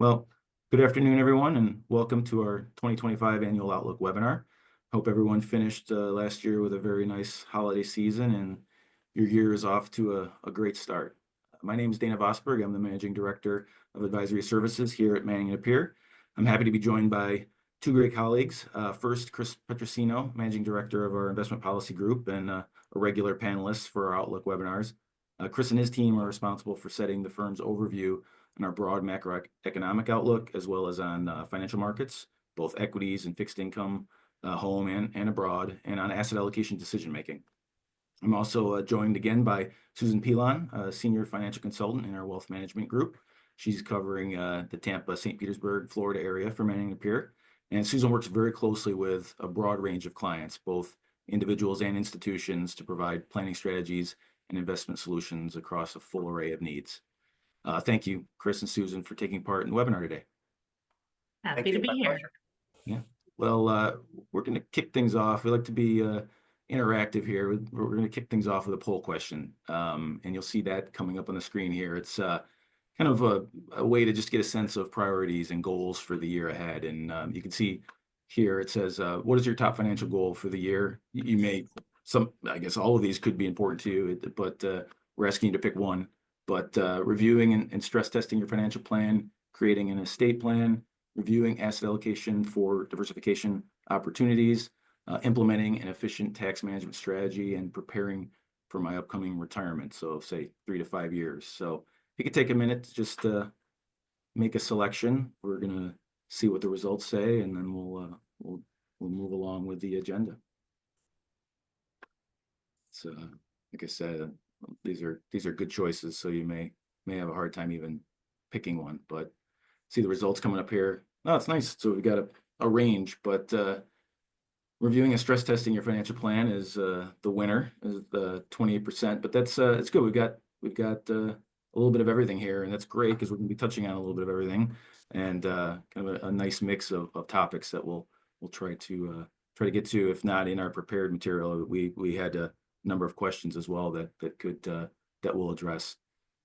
Good afternoon, everyone, and welcome to our 2025 Annual Outlook webinar. Hope everyone finished last year with a very nice holiday season, and your year is off to a great start. My name is Dana Vosburgh. I'm the Managing Director of Advisory Services here at Manning & Napier. I'm happy to be joined by two great colleagues. First, Chris Petrosino, Managing Director of our Investment Policy Group and a regular panelist for our Outlook webinars. Chris and his team are responsible for setting the firm's overview and our broad macroeconomic outlook, as well as on financial markets, both equities and fixed income, home and abroad, and on asset allocation decision-making. I'm also joined again by Susan Pilon, Senior Financial Consultant in our Wealth Management Group. She's covering the Tampa, St. Petersburg, Florida area for Manning & Napier. Susan works very closely with a broad range of clients, both individuals and institutions, to provide planning strategies and investment solutions across a full array of needs. Thank you, Chris and Susan, for taking part in the webinar today. Happy to be here. Yeah. Well, we're going to kick things off. We like to be interactive here. We're going to kick things off with a poll question, and you'll see that coming up on the screen here. It's kind of a way to just get a sense of priorities and goals for the year ahead. And you can see here it says, "What is your top financial goal for the year?" You may, I guess, all of these could be important to you, but we're asking you to pick one. But reviewing and stress testing your financial plan, creating an estate plan, reviewing asset allocation for diversification opportunities, implementing an efficient tax management strategy, and preparing for my upcoming retirement, so say three to five years. So if you could take a minute just to make a selection, we're going to see what the results say, and then we'll move along with the agenda. So, like I said, these are good choices, so you may have a hard time even picking one. But see the results coming up here. Oh, it's nice. So we've got a range. But reviewing and stress testing your financial plan is the winner, is the 28%. But that's good. We've got a little bit of everything here, and that's great because we're going to be touching on a little bit of everything and kind of a nice mix of topics that we'll try to get to, if not in our prepared material. We had a number of questions as well that we'll address.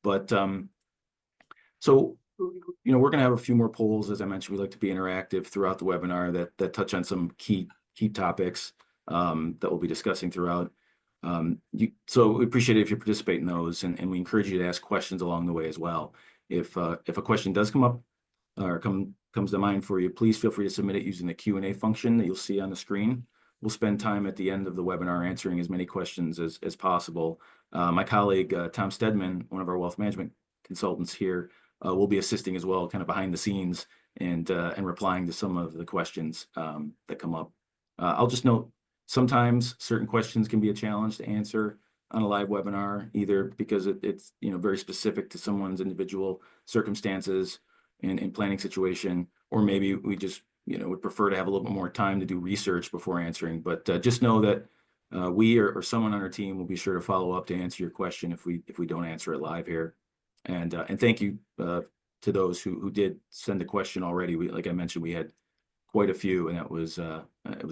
But so, you know, we're going to have a few more polls. As I mentioned, we like to be interactive throughout the webinar that touch on some key topics that we'll be discussing throughout. So we appreciate it if you participate in those, and we encourage you to ask questions along the way as well. If a question does come up or comes to mind for you, please feel free to submit it using the Q&A function that you'll see on the screen. We'll spend time at the end of the webinar answering as many questions as possible. My colleague, Tom Stedman, one of our Wealth Management Consultants here, will be assisting as well, kind of behind the scenes and replying to some of the questions that come up. I'll just note sometimes certain questions can be a challenge to answer on a live webinar, either because it's very specific to someone's individual circumstances and planning situation, or maybe we just would prefer to have a little bit more time to do research before answering. But just know that we or someone on our team will be sure to follow up to answer your question if we don't answer it live here. And thank you to those who did send a question already. Like I mentioned, we had quite a few, and it was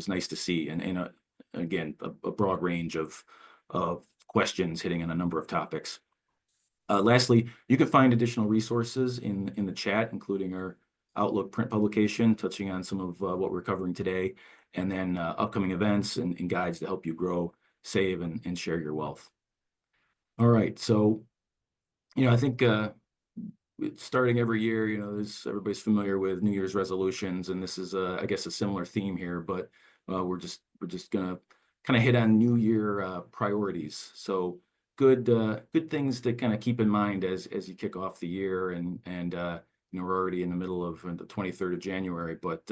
nice to see, and again, a broad range of questions hitting on a number of topics. Lastly, you can find additional resources in the chat, including our Outlook print publication touching on some of what we're covering today, and then upcoming events and guides to help you grow, save, and share your wealth. All right. You know, I think starting every year, you know, everybody's familiar with New Year's resolutions, and this is, I guess, a similar theme here, but we're just going to kind of hit on New Year priorities. Good things to kind of keep in mind as you kick off the year. We're already in the middle of the 23rd of January, but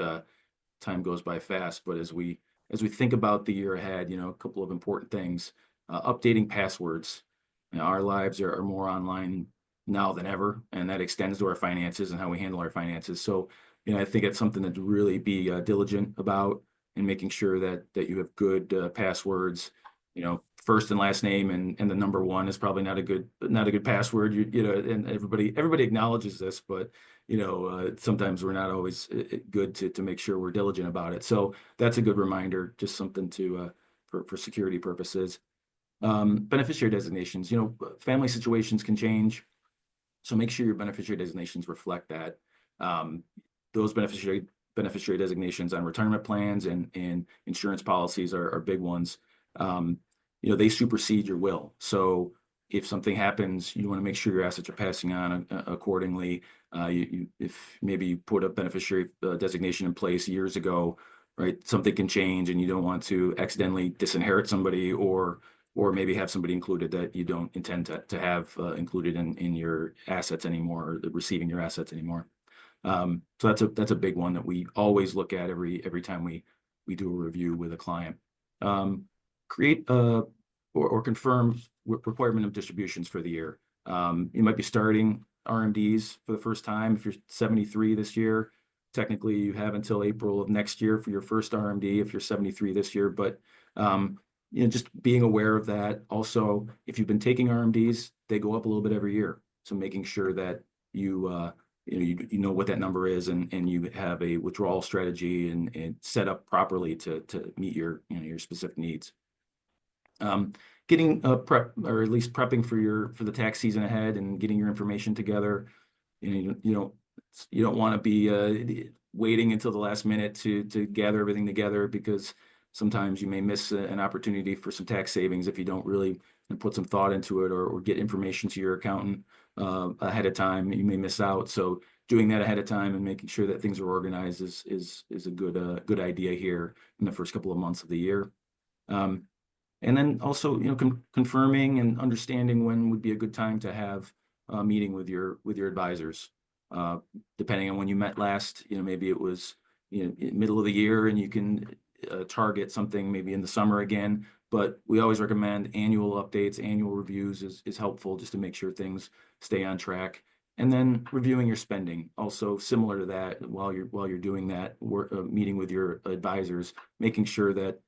time goes by fast. As we think about the year ahead, you know, a couple of important things. Updating passwords. Our lives are more online now than ever, and that extends to our finances and how we handle our finances. You know, I think it's something to really be diligent about in making sure that you have good passwords. You know, first and last name and the number one is probably not a good password. You know, and everybody acknowledges this, but, you know, sometimes we're not always good to make sure we're diligent about it. So that's a good reminder, just something for security purposes. Beneficiary designations. You know, family situations can change, so make sure your beneficiary designations reflect that. Those beneficiary designations on retirement plans and insurance policies are big ones. You know, they supersede your will. So if something happens, you want to make sure your assets are passing on accordingly. If maybe you put a beneficiary designation in place years ago, right, something can change, and you don't want to accidentally disinherit somebody or maybe have somebody included that you don't intend to have included in your assets anymore or receiving your assets anymore. So that's a big one that we always look at every time we do a review with a client. Create or confirm required minimum distributions for the year. You might be starting RMDs for the first time. If you're 73 this year, technically you have until April of next year for your first RMD if you're 73 this year, but just being aware of that. Also, if you've been taking RMDs, they go up a little bit every year, so making sure that you know what that number is and you have a withdrawal strategy and set up properly to meet your specific needs. Getting or at least prepping for the tax season ahead and getting your information together. You don't want to be waiting until the last minute to gather everything together because sometimes you may miss an opportunity for some tax savings if you don't really put some thought into it or get information to your accountant ahead of time. You may miss out. So doing that ahead of time and making sure that things are organized is a good idea here in the first couple of months of the year. And then also, you know, confirming and understanding when would be a good time to have a meeting with your advisors. Depending on when you met last, you know, maybe it was middle of the year and you can target something maybe in the summer again. But we always recommend annual updates, annual reviews is helpful just to make sure things stay on track. And then reviewing your spending. Also, similar to that, while you're doing that, meeting with your advisors, making sure that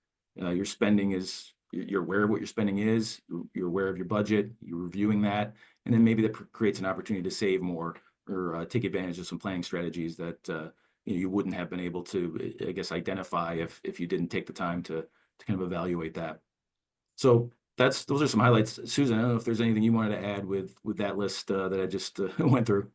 you're aware of what your spending is, you're aware of your budget, you're reviewing that. And then maybe that creates an opportunity to save more or take advantage of some planning strategies that you wouldn't have been able to, I guess, identify if you didn't take the time to kind of evaluate that. So those are some highlights. Susan, I don't know if there's anything you wanted to add with that list that I just went through.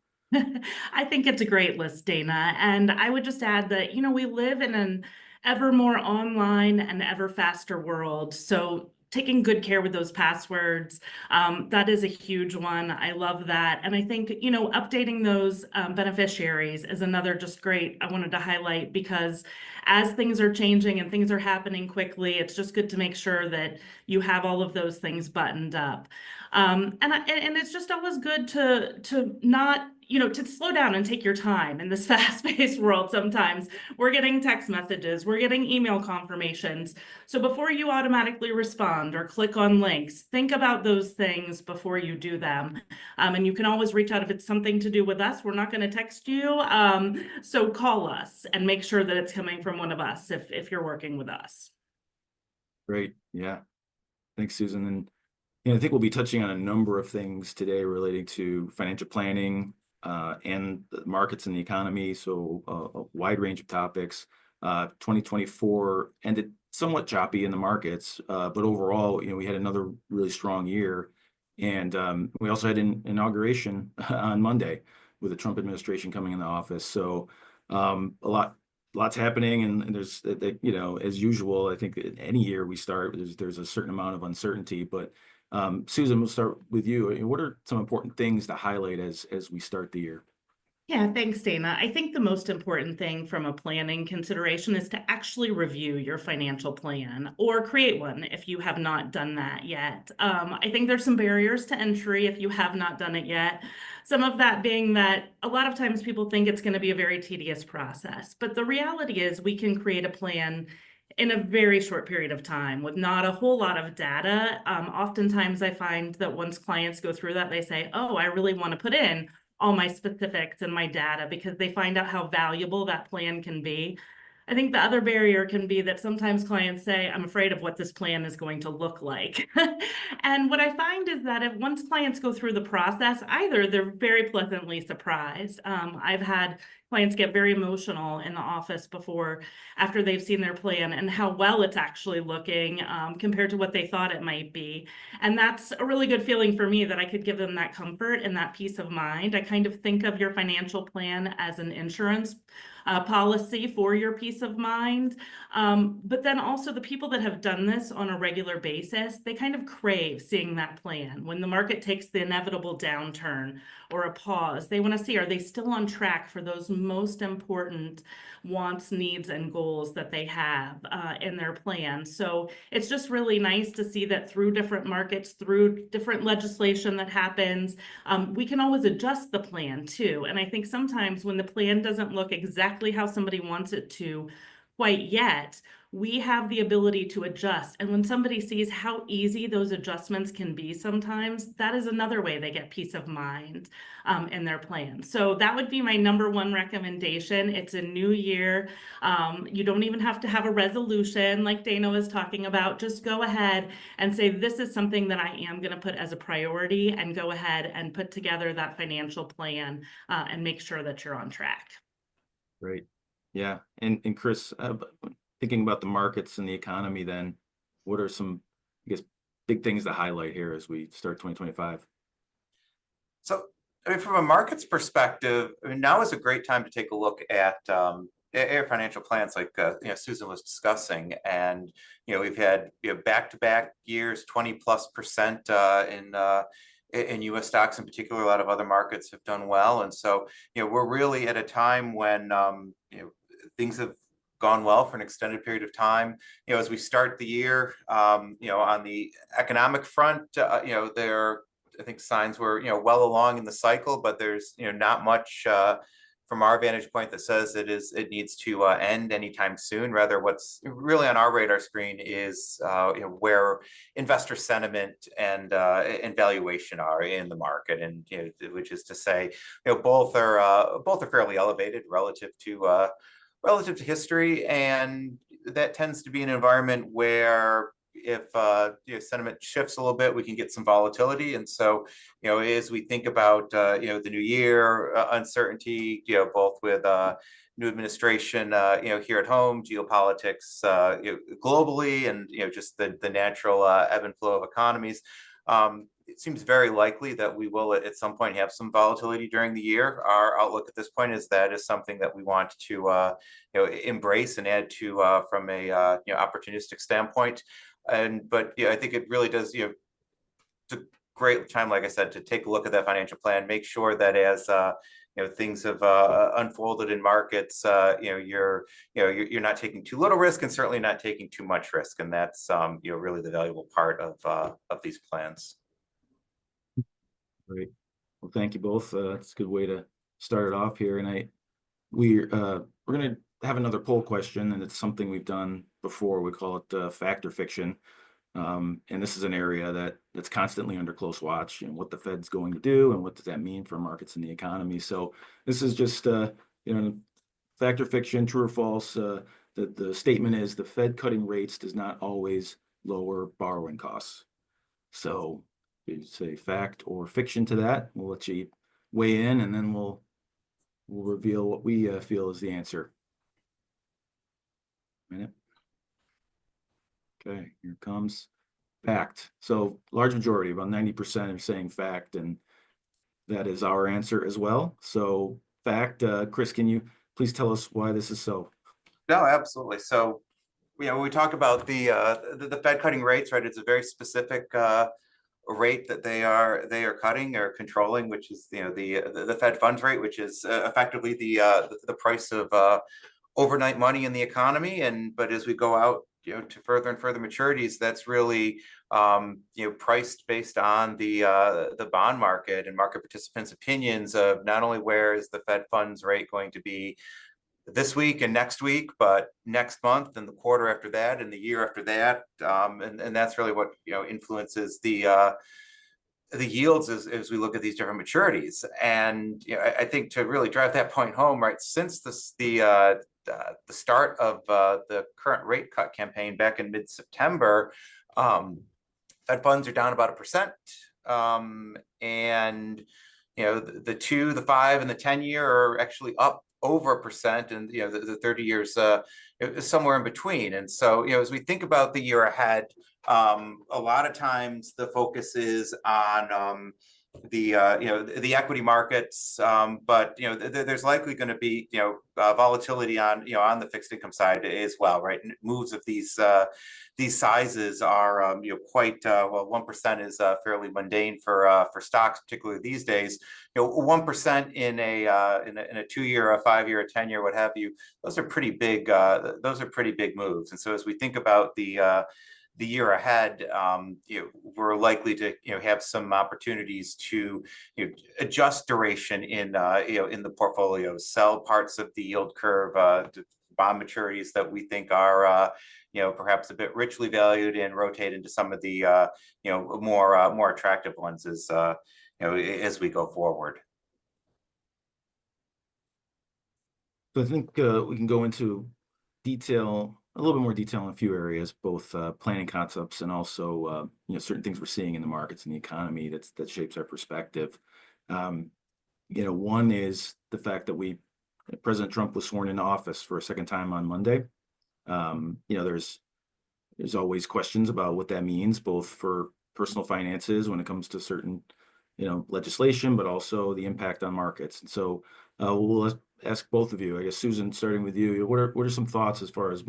I think it's a great list, Dana, and I would just add that, you know, we live in an ever more online and ever faster world, so taking good care with those passwords, that is a huge one. I love that, and I think, you know, updating those beneficiaries is another just great I wanted to highlight because as things are changing and things are happening quickly, it's just good to make sure that you have all of those things buttoned up, and it's just always good to not, you know, to slow down and take your time in this fast-paced world. Sometimes we're getting text messages, we're getting email confirmations, so before you automatically respond or click on links, think about those things before you do them, and you can always reach out if it's something to do with us. We're not going to text you. So call us and make sure that it's coming from one of us if you're working with us. Great. Yeah. Thanks, Susan. And I think we'll be touching on a number of things today relating to financial planning and the markets and the economy. So a wide range of topics. 2024 ended somewhat choppy in the markets, but overall, you know, we had another really strong year. And we also had an inauguration on Monday with the Trump administration coming into the office. So lots happening. And there's, you know, as usual, I think any year we start, there's a certain amount of uncertainty. But Susan, we'll start with you. What are some important things to highlight as we start the year? Yeah, thanks, Dana. I think the most important thing from a planning consideration is to actually review your financial plan or create one if you have not done that yet. I think there's some barriers to entry if you have not done it yet. Some of that being that a lot of times people think it's going to be a very tedious process. But the reality is we can create a plan in a very short period of time with not a whole lot of data. Oftentimes I find that once clients go through that, they say, "Oh, I really want to put in all my specifics and my data," because they find out how valuable that plan can be. I think the other barrier can be that sometimes clients say, "I'm afraid of what this plan is going to look like." And what I find is that once clients go through the process, either they're very pleasantly surprised. I've had clients get very emotional in the office after they've seen their plan and how well it's actually looking compared to what they thought it might be. And that's a really good feeling for me that I could give them that comfort and that peace of mind. I kind of think of your financial plan as an insurance policy for your peace of mind. But then also the people that have done this on a regular basis, they kind of crave seeing that plan. When the market takes the inevitable downturn or a pause, they want to see, are they still on track for those most important wants, needs, and goals that they have in their plan, so it's just really nice to see that through different markets, through different legislation that happens, we can always adjust the plan too, and I think sometimes when the plan doesn't look exactly how somebody wants it to quite yet, we have the ability to adjust, and when somebody sees how easy those adjustments can be sometimes, that is another way they get peace of mind in their plan, so that would be my number one recommendation. It's a new year. You don't even have to have a resolution like Dana was talking about. Just go ahead and say, "This is something that I am going to put as a priority," and go ahead and put together that financial plan and make sure that you're on track. Great. Yeah, and Chris, thinking about the markets and the economy then, what are some, I guess, big things to highlight here as we start 2025? From a markets perspective, now is a great time to take a look at financial plans like Susan was discussing. We've had back-to-back years, 20-plus% in U.S. stocks in particular. A lot of other markets have done well. We're really at a time when things have gone well for an extended period of time. As we start the year on the economic front, there are, I think, signs we're well along in the cycle, but there's not much from our vantage point that says it needs to end anytime soon. Rather, what's really on our radar screen is where investor sentiment and valuation are in the market, which is to say both are fairly elevated relative to history. That tends to be an environment where if sentiment shifts a little bit, we can get some volatility. And so as we think about the new year, uncertainty, both with new administration here at home, geopolitics globally, and just the natural ebb and flow of economies, it seems very likely that we will at some point have some volatility during the year. Our outlook at this point is that is something that we want to embrace and add to from an opportunistic standpoint. But I think it really does a great time, like I said, to take a look at that financial plan, make sure that as things have unfolded in markets, you're not taking too little risk and certainly not taking too much risk. And that's really the valuable part of these plans. Great. Well, thank you both. That's a good way to start it off here, and we're going to have another poll question, and it's something we've done before. We call it fact or fiction, and this is an area that's constantly under close watch, what the Fed's going to do and what does that mean for markets and the economy, so this is just fact or fiction, true or false. The statement is the Fed cutting rates does not always lower borrowing costs, so you say fact or fiction to that. We'll let you weigh in, and then we'll reveal what we feel is the answer. Okay. Here comes fact, so large majority, about 90%, are saying fact, and that is our answer as well, so fact. Chris, can you please tell us why this is so? No, absolutely. So when we talk about the Fed cutting rates, right, it's a very specific rate that they are cutting or controlling, which is the Fed funds rate, which is effectively the price of overnight money in the economy. But as we go out to further and further maturities, that's really priced based on the bond market and market participants' opinions of not only where is the Fed funds rate going to be this week and next week, but next month and the quarter after that and the year after that. And that's really what influences the yields as we look at these different maturities. And I think to really drive that point home, right, since the start of the current rate cut campaign back in mid-September, Fed funds are down about 1%. The two, the five and the 10-year are actually up over 1%, and the 30-year is somewhere in between. So as we think about the year ahead, a lot of times the focus is on the equity markets, but there's likely going to be volatility on the fixed income side as well, right? Moves of these sizes are quite, well, 1% is fairly mundane for stocks, particularly these days. 1% in a two-year, a five-year, a 10-year, what have you, those are pretty big, those are pretty big moves. So as we think about the year ahead, we're likely to have some opportunities to adjust duration in the portfolio, sell parts of the yield curve, bond maturities that we think are perhaps a bit richly valued and rotate into some of the more attractive ones as we go forward. I think we can go into detail, a little bit more detail in a few areas, both planning concepts and also certain things we're seeing in the markets and the economy that shapes our perspective. One is the fact that President Trump was sworn in office for a second time on Monday. There's always questions about what that means, both for personal finances when it comes to certain legislation, but also the impact on markets, and so we'll ask both of you, I guess, Susan, starting with you, what are some thoughts as far as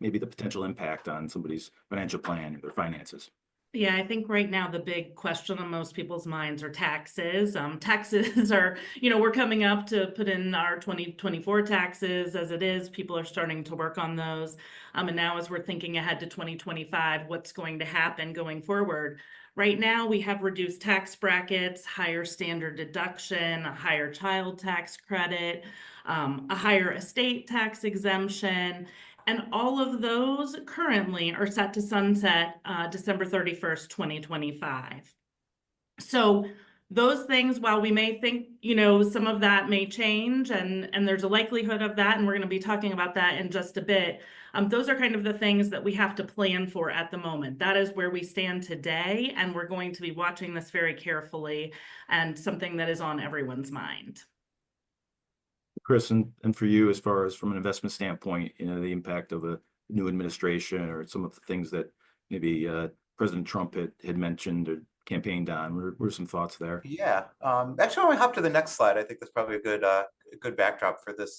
maybe the potential impact on somebody's financial plan or their finances? Yeah, I think right now the big question on most people's minds are taxes. Taxes are, you know, we're coming up to put in our 2024 taxes as it is. People are starting to work on those. And now as we're thinking ahead to 2025, what's going to happen going forward? Right now, we have reduced tax brackets, higher standard deduction, a higher child tax credit, a higher estate tax exemption. And all of those currently are set to sunset December 31st, 2025. So those things, while we may think, you know, some of that may change and there's a likelihood of that, and we're going to be talking about that in just a bit, those are kind of the things that we have to plan for at the moment. That is where we stand today, and we're going to be watching this very carefully and something that is on everyone's mind. Chris, and for you, as far as from an investment standpoint, the impact of a new administration or some of the things that maybe President Trump had mentioned or campaigned on, what are some thoughts there? Yeah. Actually, I want to hop to the next slide. I think that's probably a good backdrop for this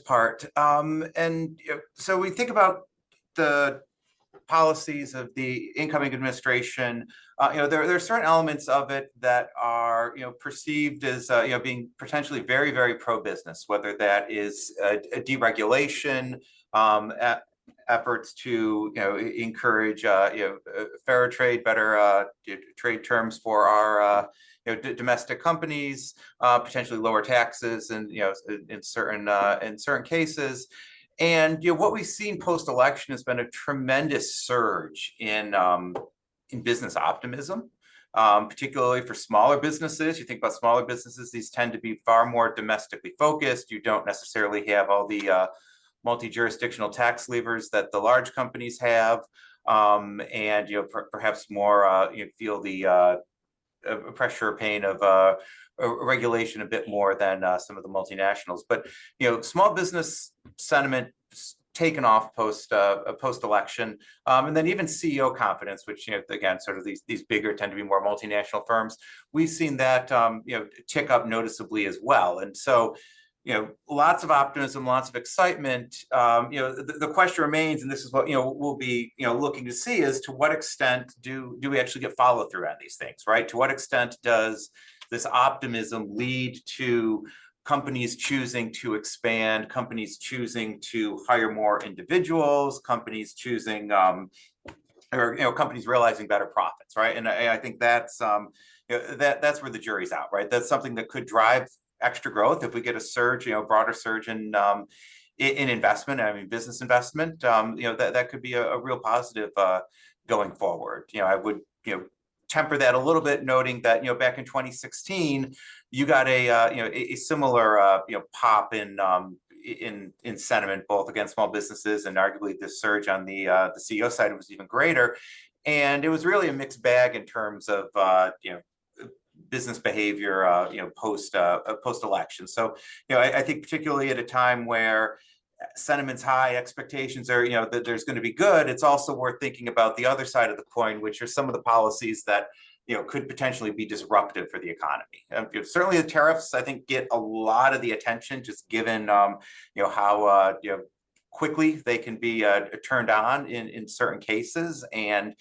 part. And so we think about the policies of the incoming administration. There are certain elements of it that are perceived as being potentially very, very pro-business, whether that is deregulation, efforts to encourage fair trade, better trade terms for our domestic companies, potentially lower taxes in certain cases. And what we've seen post-election has been a tremendous surge in business optimism, particularly for smaller businesses. You think about smaller businesses; these tend to be far more domestically focused. You don't necessarily have all the multi-jurisdictional tax levers that the large companies have. And perhaps more feel the pressure or pain of regulation a bit more than some of the multinationals. But small business sentiment has taken off post-election. And then even CEO confidence, which again, sort of these bigger tend to be more multinational firms, we've seen that tick up noticeably as well. And so lots of optimism, lots of excitement. The question remains, and this is what we'll be looking to see is to what extent do we actually get follow-through on these things, right? To what extent does this optimism lead to companies choosing to expand, companies choosing to hire more individuals, companies realizing better profits, right? And I think that's where the jury's out, right? That's something that could drive extra growth if we get a surge, a broader surge in investment, I mean, business investment, that could be a real positive going forward. I would temper that a little bit, noting that back in 2016, you got a similar pop in sentiment, both against small businesses and arguably the surge on the CEO side was even greater, and it was really a mixed bag in terms of business behavior post-election, so I think particularly at a time where sentiment's high, expectations are there's going to be good, it's also worth thinking about the other side of the coin, which are some of the policies that could potentially be disruptive for the economy. Certainly, the tariffs, I think, get a lot of the attention just given how quickly they can be turned on in certain cases, and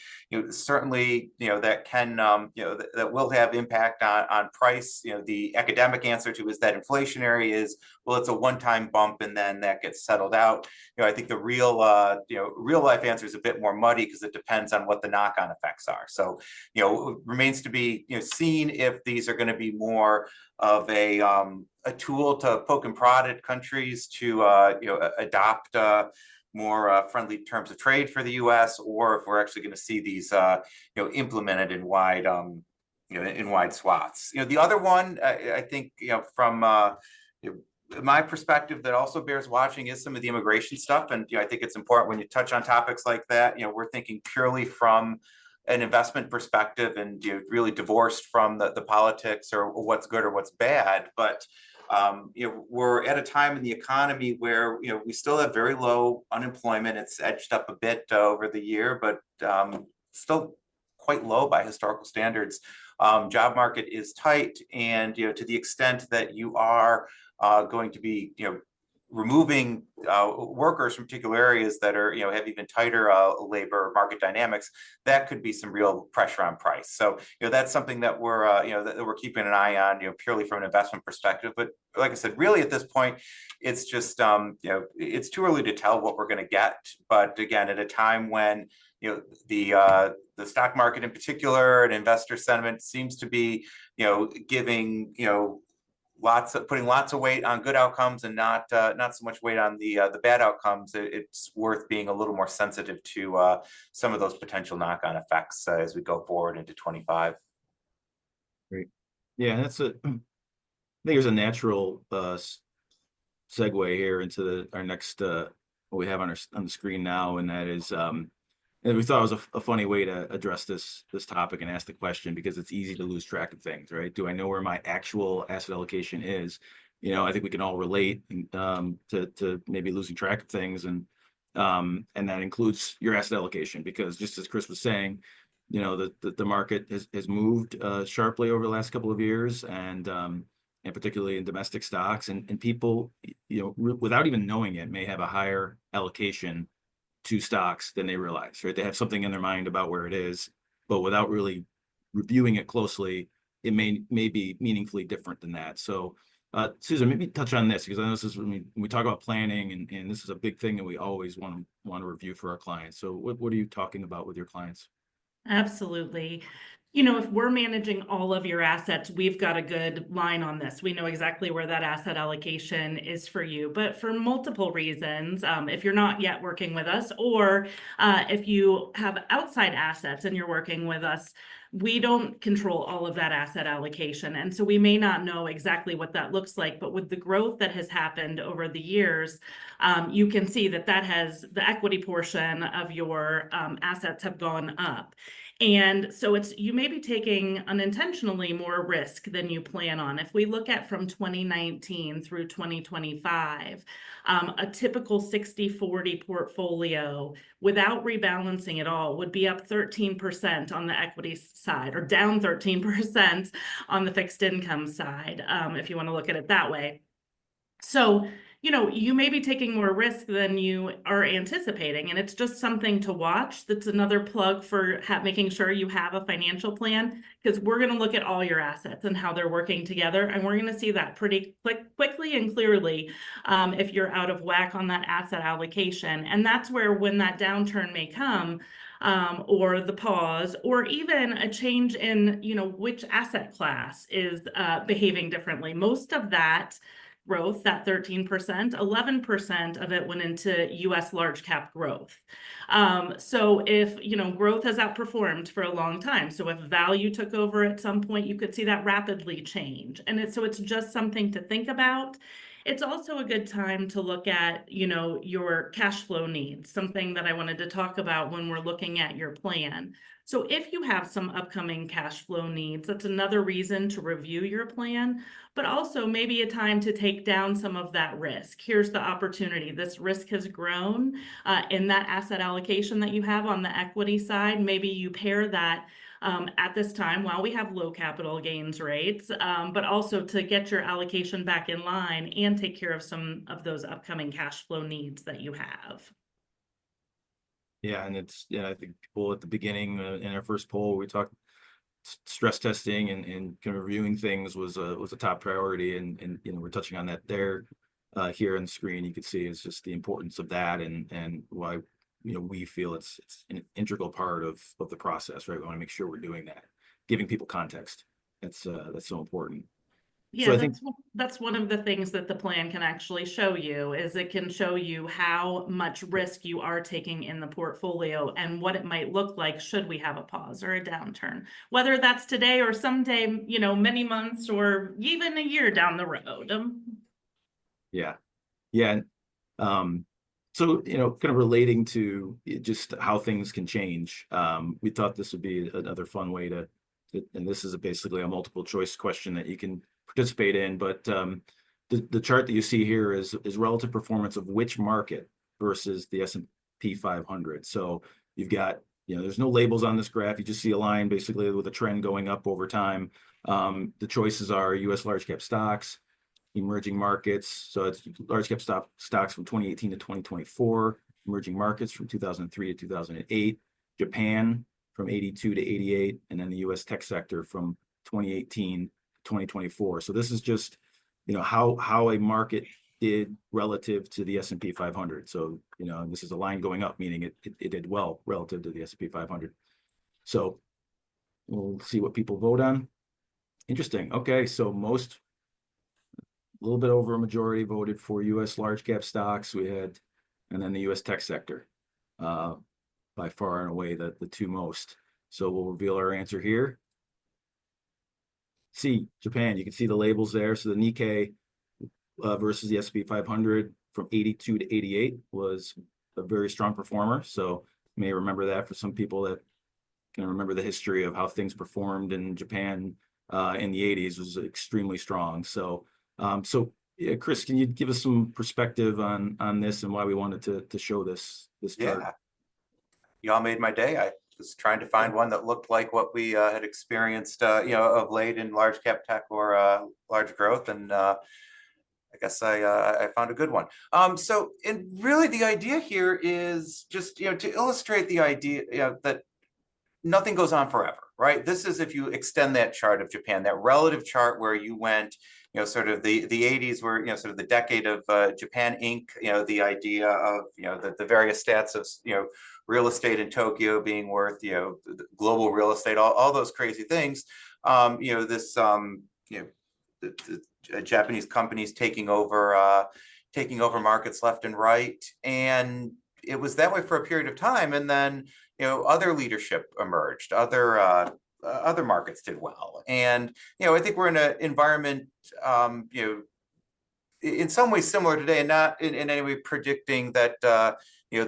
certainly, that will have impact on price. The academic answer to is that inflationary is, well, it's a one-time bump, and then that gets settled out. I think the real-life answer is a bit more muddy because it depends on what the knock-on effects are. So it remains to be seen if these are going to be more of a tool to poke and prod at countries to adopt more friendly terms of trade for the U.S., or if we're actually going to see these implemented in wide swaths. The other one, I think from my perspective that also bears watching is some of the immigration stuff. And I think it's important when you touch on topics like that, we're thinking purely from an investment perspective and really divorced from the politics or what's good or what's bad. But we're at a time in the economy where we still have very low unemployment. It's edged up a bit over the year, but still quite low by historical standards. Job market is tight. And to the extent that you are going to be removing workers from particular areas that have even tighter labor market dynamics, that could be some real pressure on price. So that's something that we're keeping an eye on purely from an investment perspective. But like I said, really at this point, it's too early to tell what we're going to get. But again, at a time when the stock market in particular and investor sentiment seems to be putting lots of weight on good outcomes and not so much weight on the bad outcomes, it's worth being a little more sensitive to some of those potential knock-on effects as we go forward into 2025. Great. Yeah. I think there's a natural segue here into our next, what we have on the screen now, and we thought it was a funny way to address this topic and ask the question because it's easy to lose track of things, right? Do I know where my actual asset allocation is? I think we can all relate to maybe losing track of things, and that includes your asset allocation because just as Chris was saying, the market has moved sharply over the last couple of years, and particularly in domestic stocks, and people, without even knowing it, may have a higher allocation to stocks than they realize, right? They have something in their mind about where it is, but without really reviewing it closely, it may be meaningfully different than that. So Susan, maybe touch on this because I know when we talk about planning, and this is a big thing that we always want to review for our clients. So what are you talking about with your clients? Absolutely. You know, if we're managing all of your assets, we've got a good line on this. We know exactly where that asset allocation is for you. But for multiple reasons, if you're not yet working with us, or if you have outside assets and you're working with us, we don't control all of that asset allocation. And so we may not know exactly what that looks like, but with the growth that has happened over the years, you can see that the equity portion of your assets have gone up. And so you may be taking unintentionally more risk than you plan on. If we look at from 2019 through 2025, a typical 60/40 portfolio without rebalancing at all would be up 13% on the equity side or down 13% on the fixed income side if you want to look at it that way. So you may be taking more risk than you are anticipating. And it's just something to watch. That's another plug for making sure you have a financial plan because we're going to look at all your assets and how they're working together. And we're going to see that pretty quickly and clearly if you're out of whack on that asset allocation. And that's where when that downturn may come or the pause or even a change in which asset class is behaving differently. Most of that growth, that 13%, 11% of it went into U.S. large-cap growth. So if growth has outperformed for a long time, so if value took over at some point, you could see that rapidly change. And so it's just something to think about. It's also a good time to look at your cash flow needs, something that I wanted to talk about when we're looking at your plan. So if you have some upcoming cash flow needs, that's another reason to review your plan, but also maybe a time to take down some of that risk. Here's the opportunity. This risk has grown in that asset allocation that you have on the equity side. Maybe you pare that at this time while we have low capital gains rates, but also to get your allocation back in line and take care of some of those upcoming cash flow needs that you have. Yeah. And I think at the beginning in our first poll, we talked stress testing and kind of reviewing things was a top priority. And we're touching on that there. Here on the screen, you can see it's just the importance of that and why we feel it's an integral part of the process, right? We want to make sure we're doing that, giving people context. That's so important. Yeah. That's one of the things that the plan can actually show you is it can show you how much risk you are taking in the portfolio and what it might look like should we have a pause or a downturn, whether that's today or someday, many months or even a year down the road. Yeah. Yeah. So kind of relating to just how things can change, we thought this would be another fun way to, and this is basically a multiple-choice question that you can participate in. But the chart that you see here is relative performance of which market versus the S&P 500, so there's no labels on this graph. You just see a line basically with a trend going up over time. The choices are U.S. large-cap stocks, emerging markets, so it's large-cap stocks from 2018 to 2024, emerging markets from 2003 to 2008, Japan from 1982 to 1988, and then the U.S. tech sector from 2018 to 2024. So this is just how a market did relative to the S&P 500, so this is a line going up, meaning it did well relative to the S&P 500. So we'll see what people vote on. Interesting. Okay. So a little bit over a majority voted for U.S. large-cap stocks we had, and then the U.S. tech sector by far and away the two most. So we'll reveal our answer here. See, Japan, you can see the labels there. So the Nikkei versus the S&P 500 from 1982 to 1988 was a very strong performer. So you may remember that for some people that can remember the history of how things performed in Japan in the 1980s was extremely strong. So Chris, can you give us some perspective on this and why we wanted to show this chart? Yeah. Y'all made my day. I was trying to find one that looked like what we had experienced of late in large-cap tech or large growth. And I guess I found a good one. So really the idea here is just to illustrate the idea that nothing goes on forever, right? This is if you extend that chart of Japan, that relative chart where you went sort of the 1980s were sort of the decade of Japan Inc., the idea of the various stats of real estate in Tokyo being worth global real estate, all those crazy things, Japanese companies taking over markets left and right. And it was that way for a period of time. And then other leadership emerged. Other markets did well. And I think we're in an environment in some ways similar today, not in any way predicting that the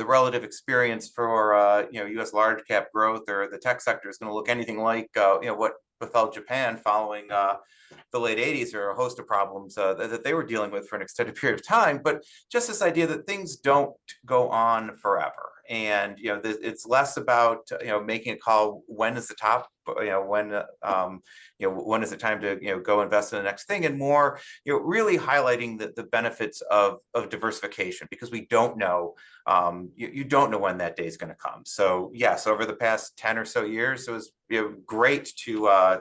relative experience for U.S. large-cap growth or the tech sector is going to look anything like what befell Japan following the late 1980s or a host of problems that they were dealing with for an extended period of time. But just this idea that things don't go on forever. And it's less about making a call when is the top, when is it time to go invest in the next thing, and more really highlighting the benefits of diversification because we don't know when that day is going to come. So yes, over the past 10 or so years, it was great to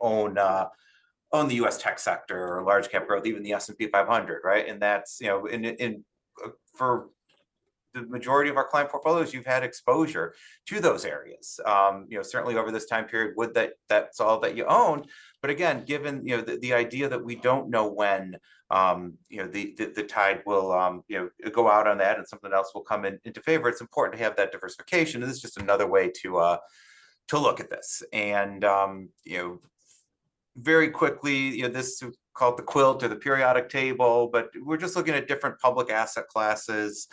own the U.S. tech sector or large-cap growth, even the S&P 500, right? And for the majority of our client portfolios, you've had exposure to those areas. Certainly over this time period, that's all that you owned, but again, given the idea that we don't know when the tide will go out on that and something else will come into favor, it's important to have that diversification, and it's just another way to look at this, and very quickly, this is called the quilt or the periodic table, but we're just looking at different public asset classes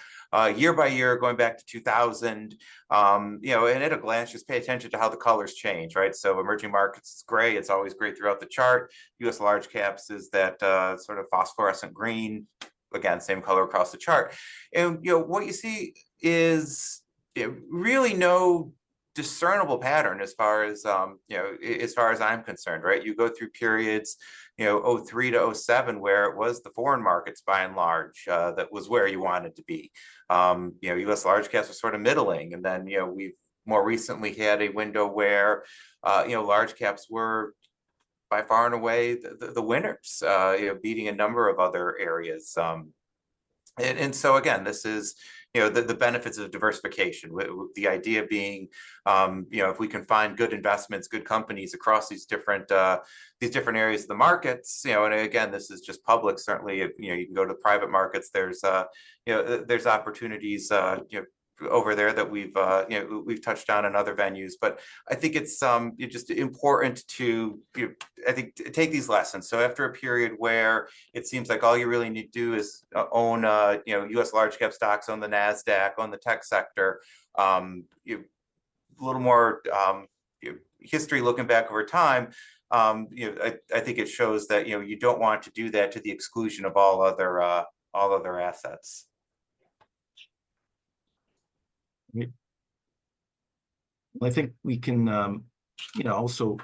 year by year going back to 2000, and at a glance, just pay attention to how the colors change, right, so emerging markets is gray. It's always gray throughout the chart. U.S. large caps is that sort of phosphorescent green. Again, same color across the chart, and what you see is really no discernible pattern as far as I'm concerned, right? You go through periods 2003 to 2007 where it was the foreign markets by and large that was where you wanted to be. U.S. large caps were sort of middling, and then we've more recently had a window where large caps were by far and away the winners, beating a number of other areas, and so again, this is the benefits of diversification, the idea being if we can find good investments, good companies across these different areas of the markets, and again, this is just public. Certainly, you can go to the private markets. There's opportunities over there that we've touched on in other venues, but I think it's just important to, I think, take these lessons. So after a period where it seems like all you really need to do is own U.S. large-cap stocks, own the NASDAQ, own the tech sector, a little more history looking back over time, I think it shows that you don't want to do that to the exclusion of all other assets. Great. I think we can also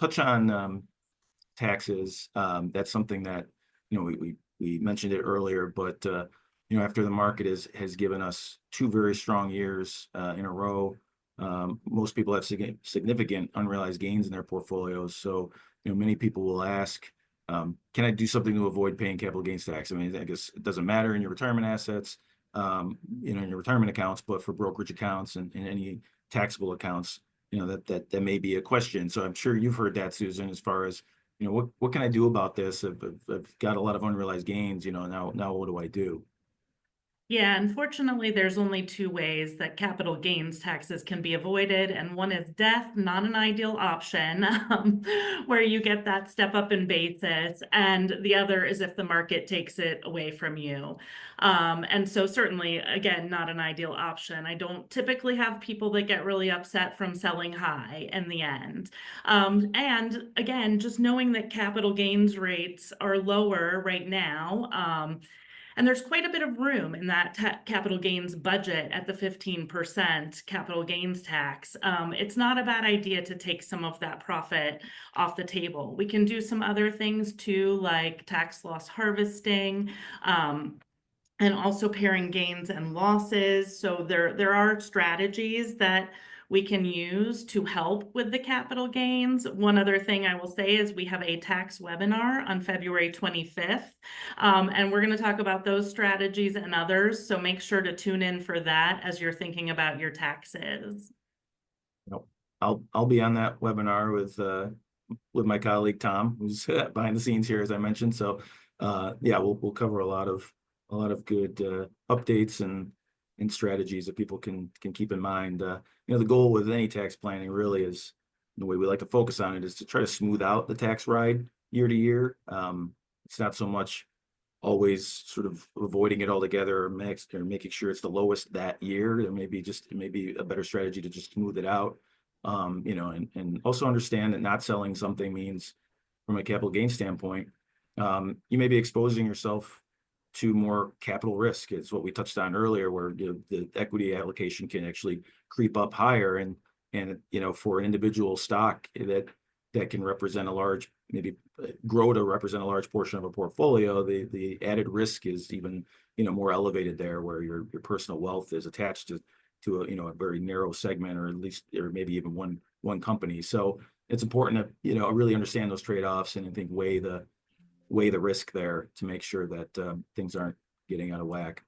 touch on taxes. That's something that we mentioned it earlier, but after the market has given us two very strong years in a row, most people have significant unrealized gains in their portfolios. So many people will ask, "Can I do something to avoid paying capital gains tax?" I mean, I guess it doesn't matter in your retirement assets, in your retirement accounts, but for brokerage accounts and any taxable accounts, that may be a question. So I'm sure you've heard that, Susan, as far as, "What can I do about this? I've got a lot of unrealized gains. Now, what do I do? Yeah. Unfortunately, there's only two ways that capital gains taxes can be avoided, and one is death, not an ideal option, where you get that step-up in basis. And the other is if the market takes it away from you. And so certainly, again, not an ideal option. I don't typically have people that get really upset from selling high in the end. And again, just knowing that capital gains rates are lower right now, and there's quite a bit of room in that capital gains budget at the 15% capital gains tax, it's not a bad idea to take some of that profit off the table. We can do some other things too, like tax-loss harvesting and also pairing gains and losses. So there are strategies that we can use to help with the capital gains. One other thing I will say is we have a tax webinar on February 25th, and we're going to talk about those strategies and others. So make sure to tune in for that as you're thinking about your taxes. I'll be on that webinar with my colleague Tom, who's behind the scenes here, as I mentioned. So yeah, we'll cover a lot of good updates and strategies that people can keep in mind. The goal with any tax planning really is the way we like to focus on it is to try to smooth out the tax ride year to year. It's not so much always sort of avoiding it all together or making sure it's the lowest that year. It may be a better strategy to just smooth it out. And also understand that not selling something means from a capital gains standpoint, you may be exposing yourself to more capital risk. It's what we touched on earlier where the equity allocation can actually creep up higher. For an individual stock that can represent a large, maybe grow to represent a large portion of a portfolio, the added risk is even more elevated there where your personal wealth is attached to a very narrow segment or at least maybe even one company. It's important to really understand those trade-offs and I think weigh the risk there to make sure that things aren't getting out of whack.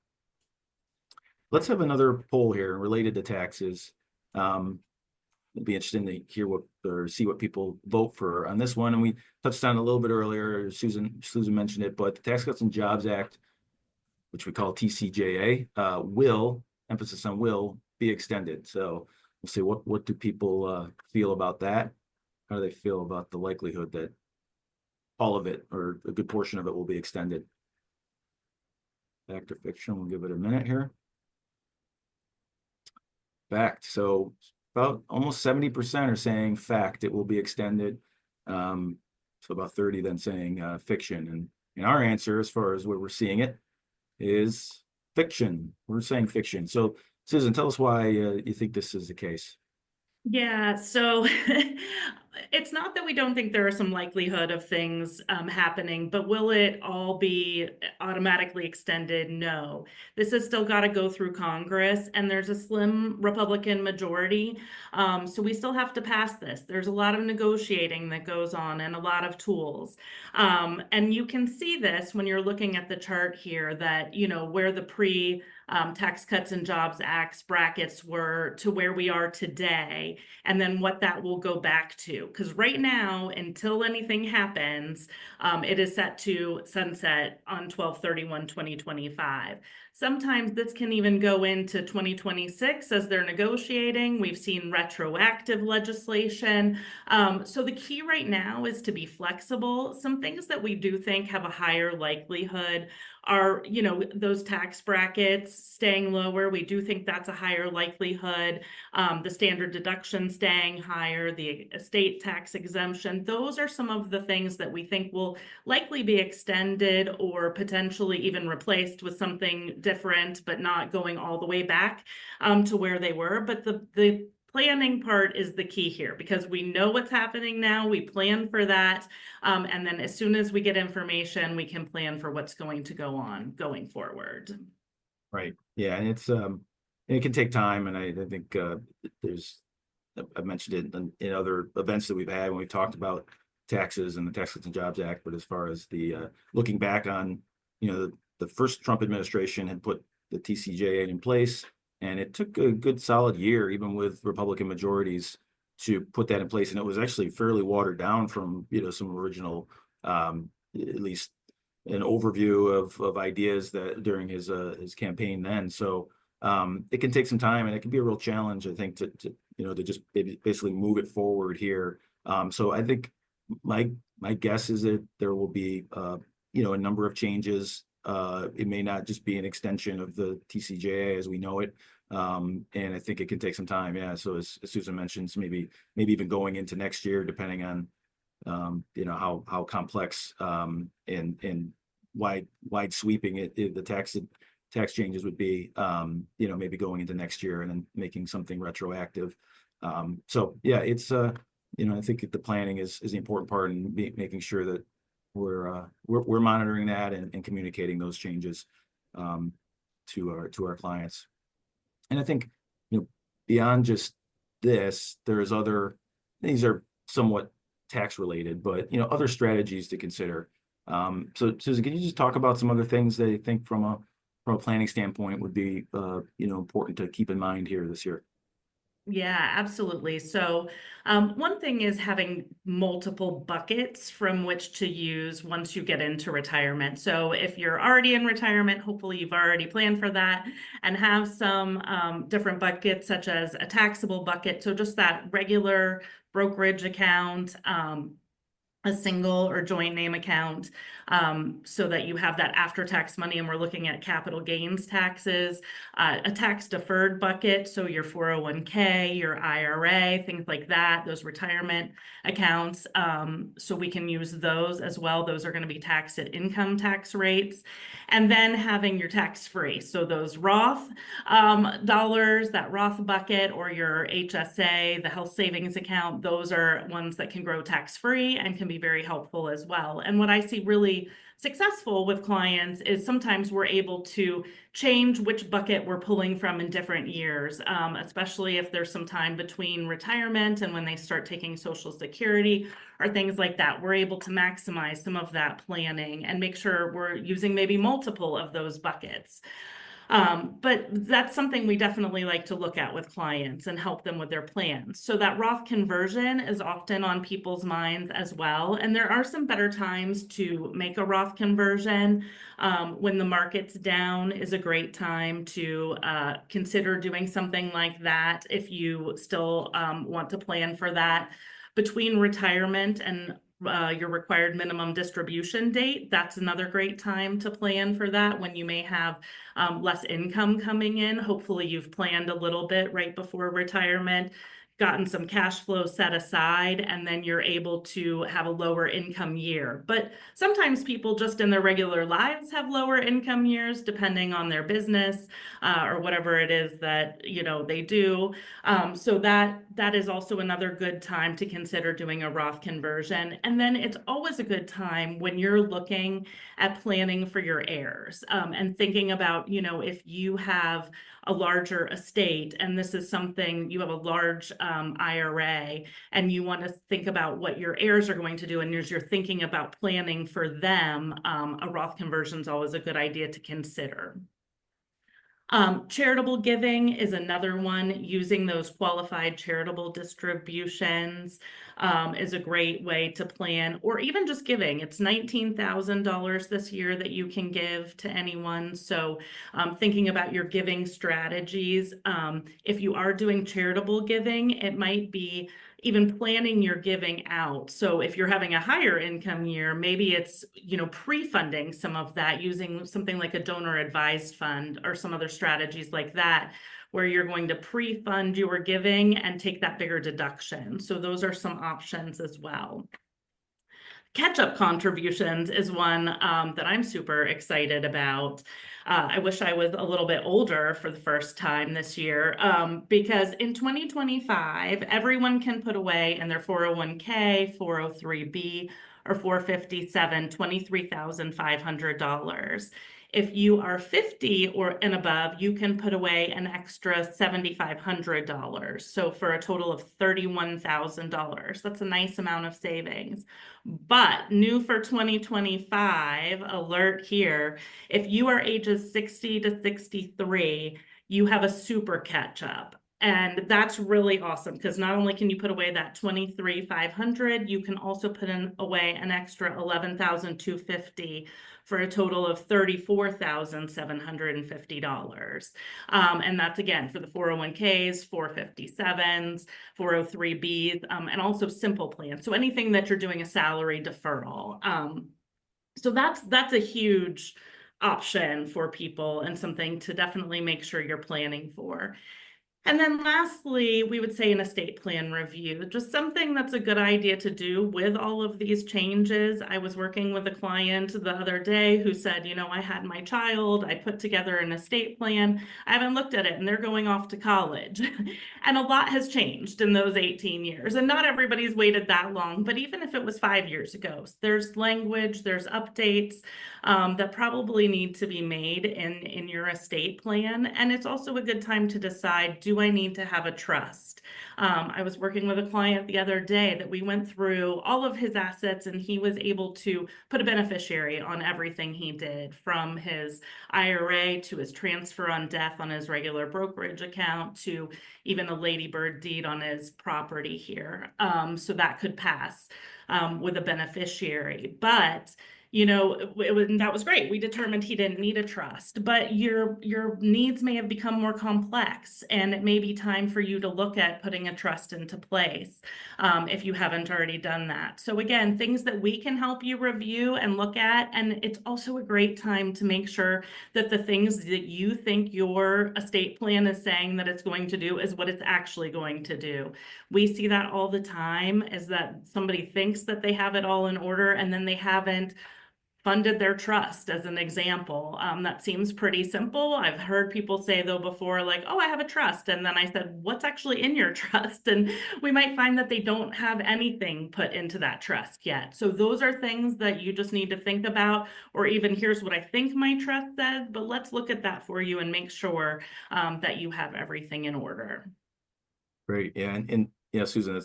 Let's have another poll here related to taxes. It'll be interesting to hear or see what people vote for on this one. We touched on it a little bit earlier. Susan mentioned it, but the Tax Cuts and Jobs Act, which we call TCJA, will, emphasis on will, be extended. We'll see what do people feel about that. How do they feel about the likelihood that all of it or a good portion of it will be extended? Fact or fiction? We'll give it a minute here. Fact. So about almost 70% are saying fact, it will be extended. So about 30%, then, saying fiction. And our answer as far as where we're seeing it is fiction. We're saying fiction. So Susan, tell us why you think this is the case. Yeah. So it's not that we don't think there is some likelihood of things happening, but will it all be automatically extended? No. This has still got to go through Congress, and there's a slim Republican majority. So we still have to pass this. There's a lot of negotiating that goes on and a lot of tools. And you can see this when you're looking at the chart here that where the pre-Tax Cuts and Jobs Act brackets were to where we are today and then what that will go back to. Because right now, until anything happens, it is set to sunset on 12/31/2025. Sometimes this can even go into 2026 as they're negotiating. We've seen retroactive legislation. So the key right now is to be flexible. Some things that we do think have a higher likelihood are those tax brackets staying lower. We do think that's a higher likelihood. The standard deduction staying higher, the estate tax exemption. Those are some of the things that we think will likely be extended or potentially even replaced with something different, but not going all the way back to where they were, but the planning part is the key here because we know what's happening now. We plan for that, and then as soon as we get information, we can plan for what's going to go on going forward. Right. Yeah. And it can take time. And I think I've mentioned it in other events that we've had when we've talked about taxes and the Tax Cuts and Jobs Act. But as far as looking back on the first Trump administration had put the TCJA in place, and it took a good solid year, even with Republican majorities, to put that in place. And it was actually fairly watered down from some original, at least an overview of ideas during his campaign then. So it can take some time, and it can be a real challenge, I think, to just basically move it forward here. So I think my guess is that there will be a number of changes. It may not just be an extension of the TCJA as we know it. And I think it can take some time. Yeah. So, as Susan mentioned, maybe even going into next year, depending on how complex and wide sweeping the tax changes would be, maybe going into next year and then making something retroactive. So yeah, I think the planning is the important part in making sure that we're monitoring that and communicating those changes to our clients. And I think beyond just this, there are other things that are somewhat tax-related, but other strategies to consider. So Susan, can you just talk about some other things that you think from a planning standpoint would be important to keep in mind here this year? Yeah, absolutely. So one thing is having multiple buckets from which to use once you get into retirement. So if you're already in retirement, hopefully you've already planned for that and have some different buckets, such as a taxable bucket. So just that regular brokerage account, a single or joint name account so that you have that after-tax money. And we're looking at capital gains taxes, a tax-deferred bucket, so your 401(k), your IRA, things like that, those retirement accounts. So we can use those as well. Those are going to be taxed at income tax rates. And then having your tax-free. So those Roth dollars, that Roth bucket, or your HSA, the health savings account, those are ones that can grow tax-free and can be very helpful as well. And what I see really successful with clients is sometimes we're able to change which bucket we're pulling from in different years, especially if there's some time between retirement and when they start taking Social Security or things like that. We're able to maximize some of that planning and make sure we're using maybe multiple of those buckets. But that's something we definitely like to look at with clients and help them with their plans. So that Roth conversion is often on people's minds as well. And there are some better times to make a Roth conversion. When the market's down is a great time to consider doing something like that if you still want to plan for that. Between retirement and your Required Minimum Distribution date, that's another great time to plan for that when you may have less income coming in. Hopefully, you've planned a little bit right before retirement, gotten some cash flow set aside, and then you're able to have a lower income year. But sometimes people just in their regular lives have lower income years depending on their business or whatever it is that they do. So that is also another good time to consider doing a Roth conversion. And then it's always a good time when you're looking at planning for your heirs and thinking about if you have a larger estate, and this is something you have a large IRA, and you want to think about what your heirs are going to do. And as you're thinking about planning for them, a Roth conversion is always a good idea to consider. Charitable giving is another one. Using those qualified charitable distributions is a great way to plan or even just giving. It's $19,000 this year that you can give to anyone. So thinking about your giving strategies, if you are doing charitable giving, it might be even planning your giving out. So if you're having a higher income year, maybe it's pre-funding some of that using something like a donor-advised fund or some other strategies like that where you're going to pre-fund your giving and take that bigger deduction. So those are some options as well. Catch-up contributions is one that I'm super excited about. I wish I was a little bit older for the first time this year because in 2025, everyone can put away in their 401(k), 403(b), or 457, $23,500. If you are 50 or above, you can put away an extra $7,500. So for a total of $31,000, that's a nice amount of savings. But new for 2025, alert here, if you are ages 60 to 63, you have a super catch-up. And that's really awesome because not only can you put away that $23,500, you can also put away an extra $11,250 for a total of $34,750. And that's again for the 401(k)s, 457s, 403(b)s, and also SIMPLE plans. So anything that you're doing a salary deferral. So that's a huge option for people and something to definitely make sure you're planning for. And then lastly, we would say an estate plan review, just something that's a good idea to do with all of these changes. I was working with a client the other day who said, "I had my child. I put together an estate plan. I haven't looked at it, and they're going off to college." And a lot has changed in those 18 years. And not everybody's waited that long, but even if it was five years ago, there's language, there's updates that probably need to be made in your estate plan. And it's also a good time to decide, "Do I need to have a trust?" I was working with a client the other day that we went through all of his assets, and he was able to put a beneficiary on everything he did from his IRA to his Transfer on Death on his regular brokerage account to even a Lady Bird Deed on his property here so that could pass with a beneficiary. But that was great. We determined he didn't need a trust, but your needs may have become more complex, and it may be time for you to look at putting a trust into place if you haven't already done that. So again, things that we can help you review and look at. And it's also a great time to make sure that the things that you think your estate plan is saying that it's going to do is what it's actually going to do. We see that all the time is that somebody thinks that they have it all in order, and then they haven't funded their trust, as an example. That seems pretty simple. I've heard people say, though, before, like, "Oh, I have a trust." And then I said, "What's actually in your trust?" And we might find that they don't have anything put into that trust yet. So those are things that you just need to think about, or even here's what I think my trust says, but let's look at that for you and make sure that you have everything in order. Great. Yeah. And Susan,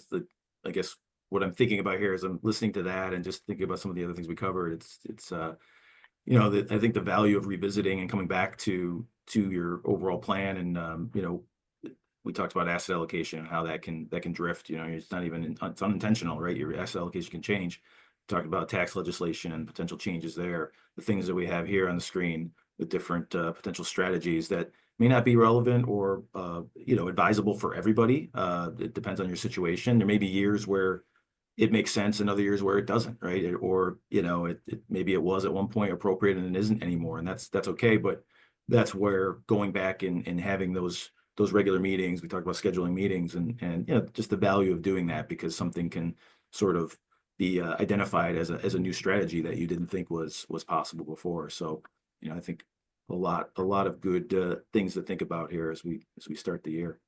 I guess what I'm thinking about here as I'm listening to that and just thinking about some of the other things we covered, I think the value of revisiting and coming back to your overall plan. And we talked about asset allocation and how that can drift. It's not even unintentional, right? Your asset allocation can change. Talking about tax legislation and potential changes there, the things that we have here on the screen, the different potential strategies that may not be relevant or advisable for everybody. It depends on your situation. There may be years where it makes sense and other years where it doesn't, right? Or maybe it was at one point appropriate and it isn't anymore. And that's okay. But that's where going back and having those regular meetings we talked about scheduling meetings and just the value of doing that, because something can sort of be identified as a new strategy that you didn't think was possible before. So I think a lot of good things to think about here as we start the year.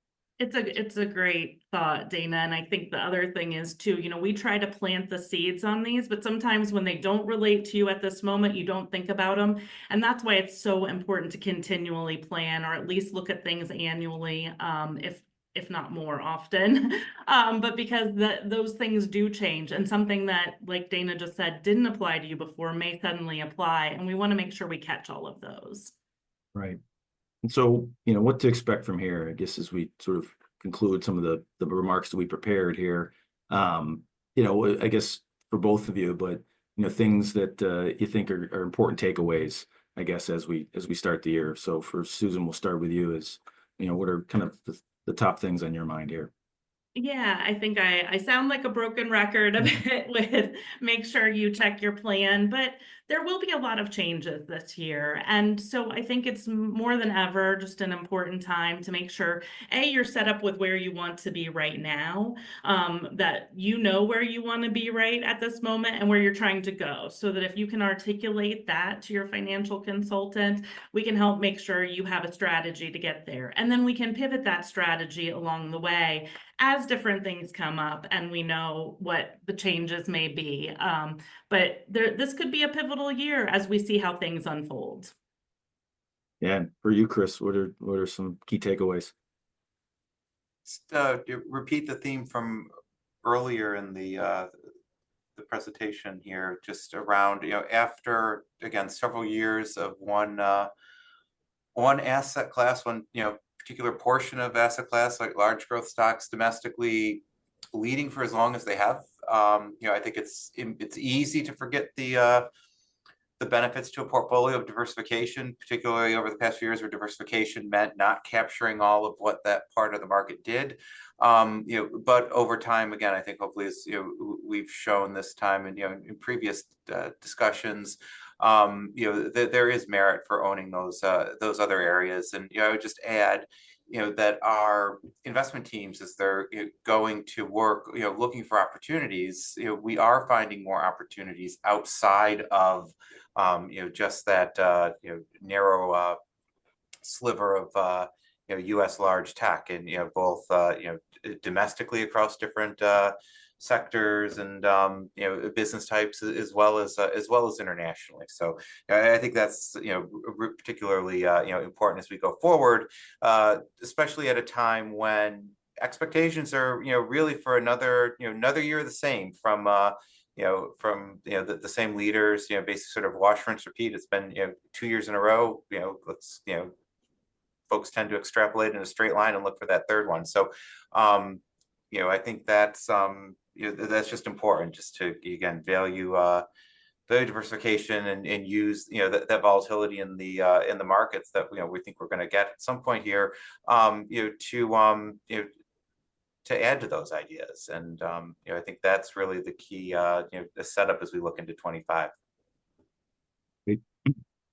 It's a great thought, Dana. And I think the other thing is too, we try to plant the seeds on these, but sometimes when they don't relate to you at this moment, you don't think about them. And that's why it's so important to continually plan or at least look at things annually, if not more often. But because those things do change and something that, like Dana just said, didn't apply to you before may suddenly apply. And we want to make sure we catch all of those. Right, and so what to expect from here, I guess, as we sort of conclude some of the remarks that we prepared here, I guess for both of you, but things that you think are important takeaways, I guess, as we start the year, so for Susan, we'll start with you. What are kind of the top things on your mind here? Yeah. I think I sound like a broken record a bit with make sure you check your plan. But there will be a lot of changes this year. And so I think it's more than ever just an important time to make sure, A, you're set up with where you want to be right now, that you know where you want to be right at this moment and where you're trying to go so that if you can articulate that to your financial consultant, we can help make sure you have a strategy to get there. And then we can pivot that strategy along the way as different things come up and we know what the changes may be. But this could be a pivotal year as we see how things unfold. Yeah. For you, Chris, what are some key takeaways? Just to repeat the theme from earlier in the presentation here, just around, again, several years of one asset class, one particular portion of asset class, like large growth stocks domestically, leading for as long as they have. I think it's easy to forget the benefits to a portfolio of diversification, particularly over the past few years where diversification meant not capturing all of what that part of the market did, but over time, again, I think hopefully we've shown this time in previous discussions that there is merit for owning those other areas, and I would just add that our investment teams, as they're going to work looking for opportunities, we are finding more opportunities outside of just that narrow sliver of U.S. large tech and both domestically across different sectors and business types as well as internationally. So I think that's particularly important as we go forward, especially at a time when expectations are really for another year the same from the same leaders, basically sort of wash, rinse, repeat. It's been two years in a row. Folks tend to extrapolate in a straight line and look for that third one. So I think that's just important to, again, value diversification and use that volatility in the markets that we think we're going to get at some point here to add to those ideas. And I think that's really the key, the setup as we look into 2025. Great.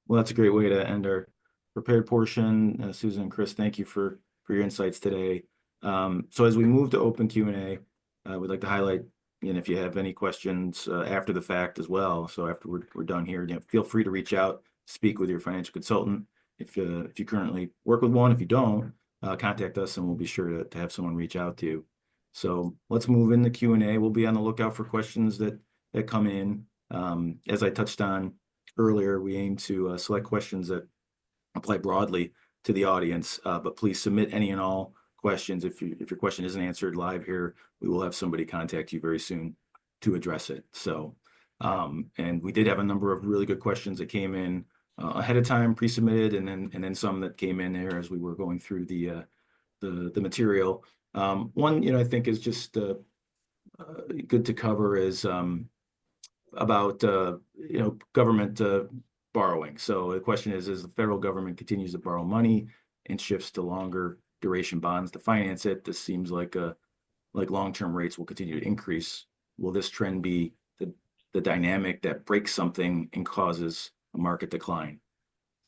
Well, that's a great way to end our prepared portion. Susan and Chris, thank you for your insights today. So as we move to open Q&A, we'd like to highlight if you have any questions after the fact as well. So after we're done here, feel free to reach out, speak with your financial consultant. If you currently work with one, if you don't, contact us, and we'll be sure to have someone reach out to you. So let's move into Q&A. We'll be on the lookout for questions that come in. As I touched on earlier, we aim to select questions that apply broadly to the audience. But please submit any and all questions. If your question isn't answered live here, we will have somebody contact you very soon to address it. We did have a number of really good questions that came in ahead of time, pre-submitted, and then some that came in here as we were going through the material. One I think is just good to cover is about government borrowing. So the question is, as the federal government continues to borrow money and shifts to longer duration bonds to finance it, this seems like long-term rates will continue to increase. Will this trend be the dynamic that breaks something and causes a market decline?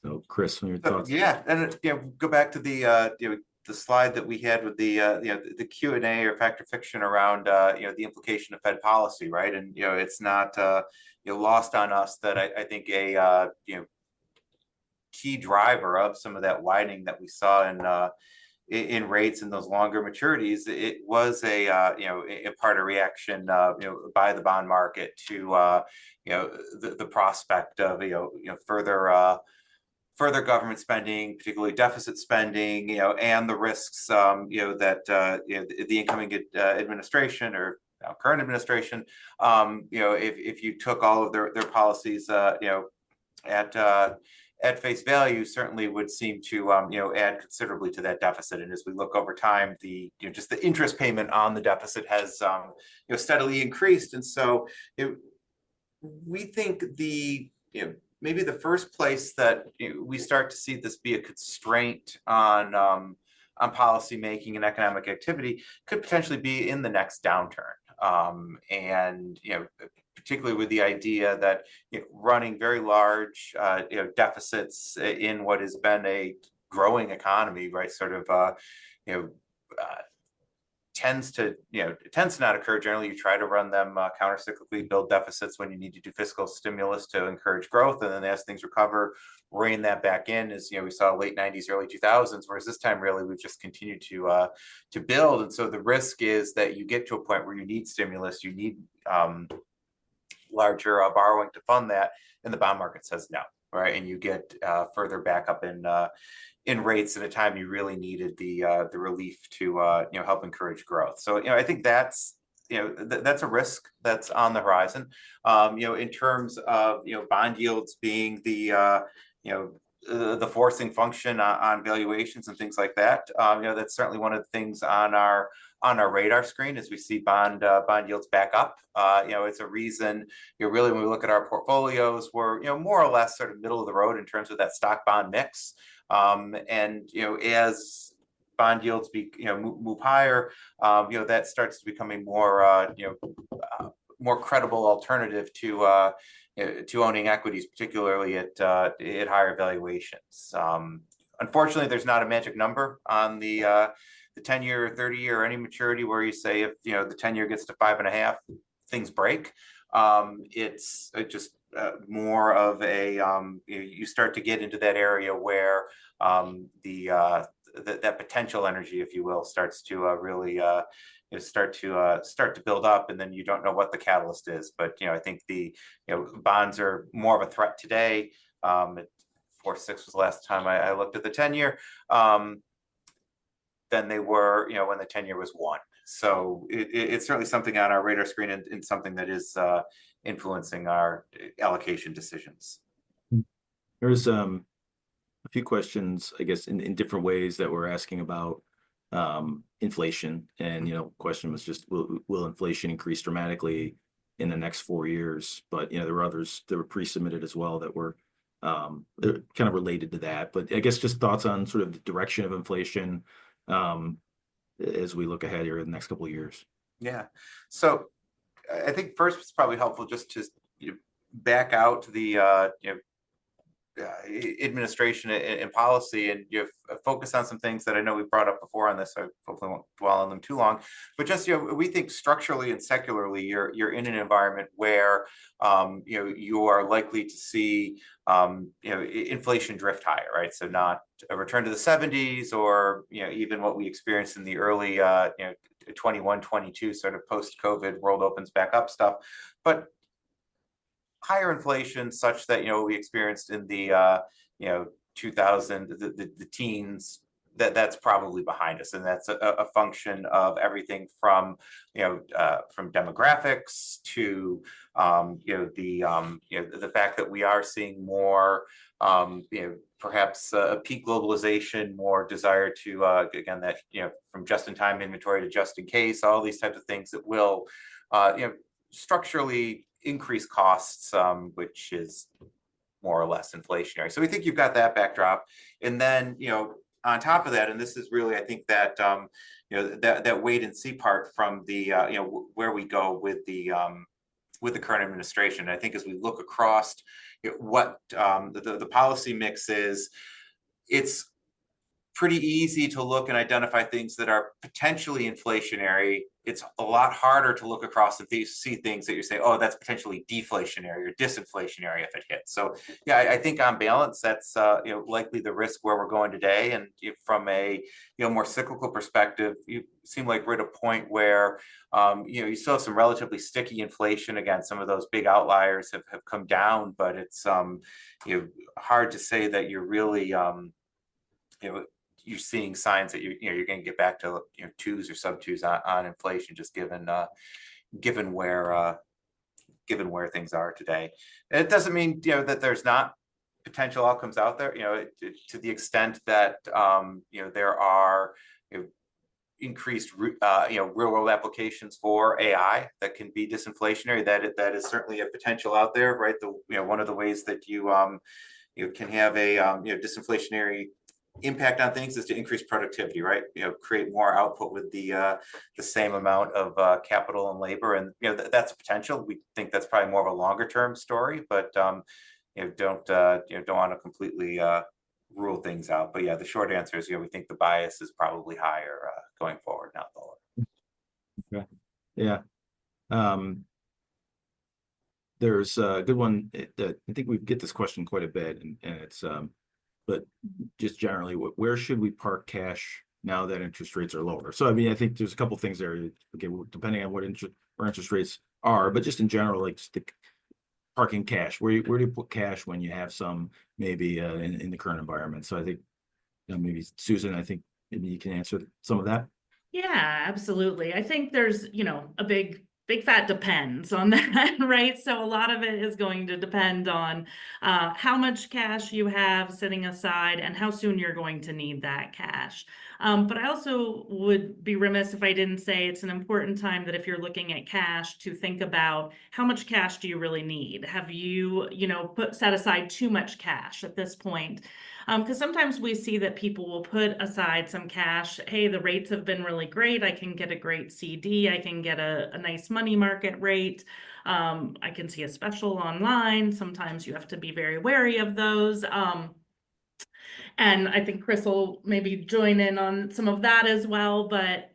So Chris, what are your thoughts? Yeah. And go back to the slide that we had with the Q&A or fact or fiction around the implication of Fed policy, right? And it's not lost on us that I think a key driver of some of that widening that we saw in rates and those longer maturities, it was a part of reaction by the bond market to the prospect of further government spending, particularly deficit spending, and the risks that the incoming administration or current administration, if you took all of their policies at face value, certainly would seem to add considerably to that deficit. And as we look over time, just the interest payment on the deficit has steadily increased. And so we think maybe the first place that we start to see this be a constraint on policymaking and economic activity could potentially be in the next downturn. And particularly with the idea that running very large deficits in what has been a growing economy, right, sort of tends to not occur. Generally, you try to run them countercyclically, build deficits when you need to do fiscal stimulus to encourage growth. And then as things recover, rein that back in as we saw late 1990s, early 2000s, whereas this time really we've just continued to build. And so the risk is that you get to a point where you need stimulus, you need larger borrowing to fund that, and the bond market says no, right? And you get further back up in rates at a time you really needed the relief to help encourage growth. So I think that's a risk that's on the horizon. In terms of bond yields being the forcing function on valuations and things like that, that's certainly one of the things on our radar screen as we see bond yields back up. It's a reason really when we look at our portfolios, we're more or less sort of middle of the road in terms of that stock bond mix. And as bond yields move higher, that starts to become a more credible alternative to owning equities, particularly at higher valuations. Unfortunately, there's not a magic number on the 10-year, 30-year, or any maturity where you say if the 10-year gets to five and a half, things break. It's just more of a you start to get into that area where that potential energy, if you will, starts to really start to build up, and then you don't know what the catalyst is. But I think the bonds are more of a threat today. 4.6 was the last time I looked at the 10-year than they were when the 10-year was one. So it's certainly something on our radar screen and something that is influencing our allocation decisions. There's a few questions, I guess, in different ways that we're asking about inflation. And the question was just, will inflation increase dramatically in the next four years? But there were others that were pre-submitted as well that were kind of related to that. But I guess just thoughts on sort of the direction of inflation as we look ahead here in the next couple of years. Yeah. So I think first, it's probably helpful just to back out the administration and policy and focus on some things that I know we've brought up before on this. I hopefully won't dwell on them too long, but just we think structurally and secularly, you're in an environment where you are likely to see inflation drift higher, right? So not a return to the 1970s or even what we experienced in the early 2021, 2022 sort of post-COVID world opens back up stuff, but higher inflation such that we experienced in the 2000s, the 2010s, that's probably behind us, and that's a function of everything from demographics to the fact that we are seeing more perhaps a peak globalization, more desire to, again, that from just-in-time inventory to just-in-case, all these types of things that will structurally increase costs, which is more or less inflationary. So we think you've got that backdrop. And then on top of that, and this is really, I think, that wait-and-see part from where we go with the current administration. I think as we look across what the policy mix is, it's pretty easy to look and identify things that are potentially inflationary. It's a lot harder to look across and see things that you say, "Oh, that's potentially deflationary or disinflationary if it hits." So yeah, I think on balance, that's likely the risk where we're going today. And from a more cyclical perspective, it seems like we're at a point where you still have some relatively sticky inflation. Again, some of those big outliers have come down, but it's hard to say that you're really seeing signs that you're going to get back to 2s or sub-2s on inflation just given where things are today. It doesn't mean that there's not potential outcomes out there. To the extent that there are increased real-world applications for AI that can be disinflationary, that is certainly a potential out there, right? One of the ways that you can have a disinflationary impact on things is to increase productivity, right? Create more output with the same amount of capital and labor. And that's a potential. We think that's probably more of a longer-term story, but don't want to completely rule things out. But yeah, the short answer is we think the bias is probably higher going forward, not lower. Okay. Yeah. There's a good one that I think we get this question quite a bit. But just generally, where should we park cash now that interest rates are lower? So I mean, I think there's a couple of things there, depending on what our interest rates are, but just in general, parking cash. Where do you put cash when you have some maybe in the current environment? So I think maybe Susan, I think maybe you can answer some of that. Yeah, absolutely. I think there's a big fat depends on that, right? So a lot of it is going to depend on how much cash you have sitting aside and how soon you're going to need that cash. But I also would be remiss if I didn't say it's an important time that if you're looking at cash to think about how much cash do you really need? Have you set aside too much cash at this point? Because sometimes we see that people will put aside some cash. Hey, the rates have been really great. I can get a great CD. I can get a nice money market rate. I can see a special online. Sometimes you have to be very wary of those. And I think Chris will maybe join in on some of that as well. But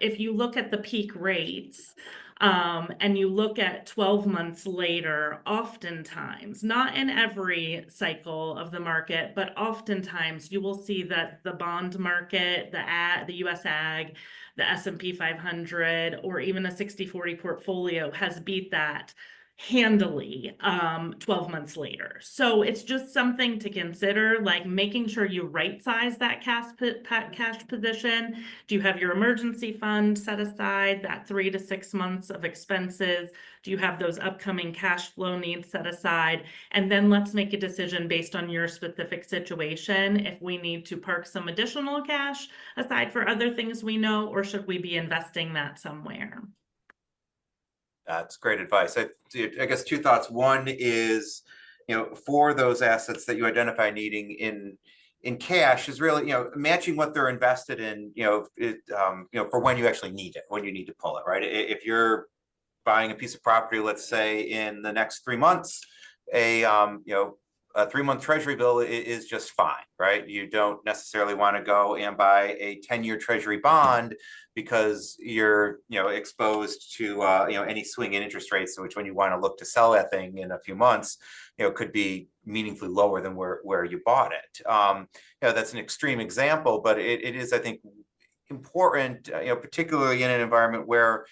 if you look at the peak rates and you look at 12 months later, oftentimes, not in every cycle of the market, but oftentimes you will see that the bond market, the U.S. Agg, the S&P 500, or even a 60/40 portfolio has beat that handily 12 months later. So it's just something to consider, like making sure you right-size that cash position. Do you have your emergency fund set aside, that three to six months of expenses? Do you have those upcoming cash flow needs set aside? And then let's make a decision based on your specific situation if we need to park some additional cash aside for other things we know, or should we be investing that somewhere? That's great advice. I guess two thoughts. One is for those assets that you identify needing in cash is really matching what they're invested in for when you actually need it, when you need to pull it, right? If you're buying a piece of property, let's say in the next three months, a three-month Treasury bill is just fine, right? You don't necessarily want to go and buy a 10-year Treasury bond because you're exposed to any swing in interest rates, which when you want to look to sell that thing in a few months could be meaningfully lower than where you bought it. That's an extreme example, but it is, I think, important, particularly in an environment where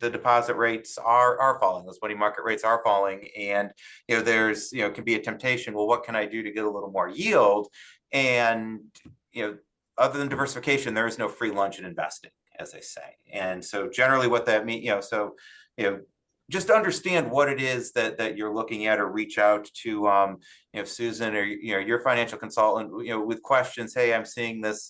the deposit rates are falling, those money market rates are falling, and there can be a temptation, "Well, what can I do to get a little more yield?" And other than diversification, there is no free lunch in investing, as they say. And so generally what that means, so just understand what it is that you're looking at or reach out to Susan or your financial consultant with questions, "Hey, I'm seeing this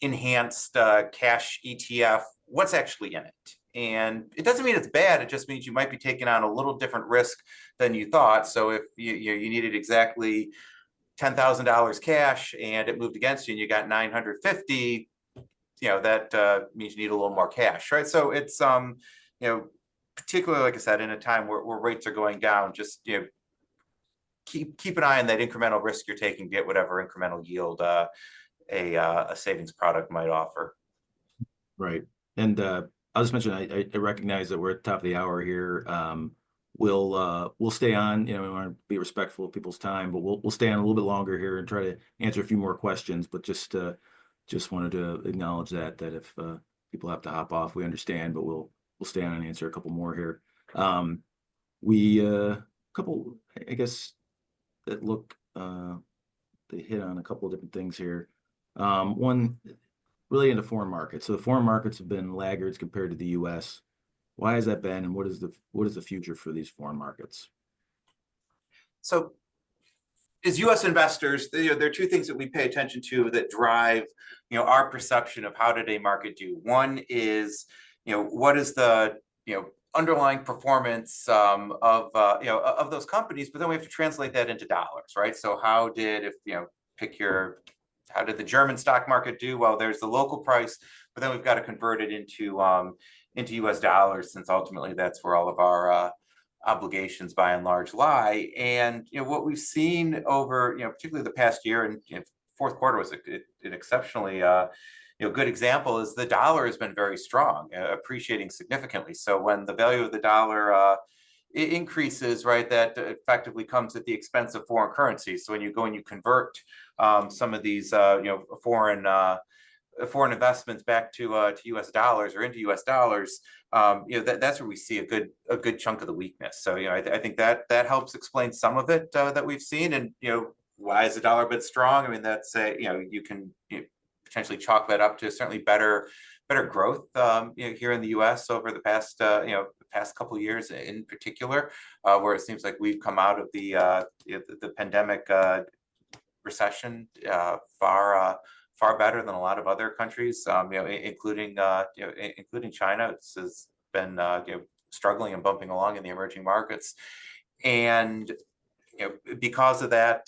enhanced cash ETF. What's actually in it?" And it doesn't mean it's bad. It just means you might be taking on a little different risk than you thought. So if you needed exactly $10,000 cash and it moved against you and you got $9,500, that means you need a little more cash, right? So particularly, like I said, in a time where rates are going down, just keep an eye on that incremental risk you're taking to get whatever incremental yield a savings product might offer. Right. And I'll just mention, I recognize that we're at the top of the hour here. We'll stay on. We want to be respectful of people's time, but we'll stay on a little bit longer here and try to answer a few more questions. But just wanted to acknowledge that if people have to hop off, we understand, but we'll stay on and answer a couple more here. A couple, I guess, that hit on a couple of different things here. One really in the foreign markets. So the foreign markets have been laggards compared to the U.S. Why has that been? And what is the future for these foreign markets? As U.S. investors, there are two things that we pay attention to that drive our perception of how a market did. One is what the underlying performance of those companies is, but then we have to translate that into dollars, right? So, if you pick your, how did the German stock market do? Well, there's the local price, but then we've got to convert it into U.S. dollars since ultimately that's where all of our obligations by and large lie. And what we've seen over particularly the past year and fourth quarter was an exceptionally good example, is the dollar has been very strong, appreciating significantly. So when the value of the dollar increases, right, that effectively comes at the expense of foreign currency. So when you go and you convert some of these foreign investments back to U.S. dollars or into U.S. dollars, that's where we see a good chunk of the weakness. So I think that helps explain some of it that we've seen. And why has the dollar been strong? I mean, you can potentially chalk that up to certainly better growth here in the U.S. over the past couple of years in particular, where it seems like we've come out of the pandemic recession far better than a lot of other countries, including China, which has been struggling and bumping along in the emerging markets. And because of that,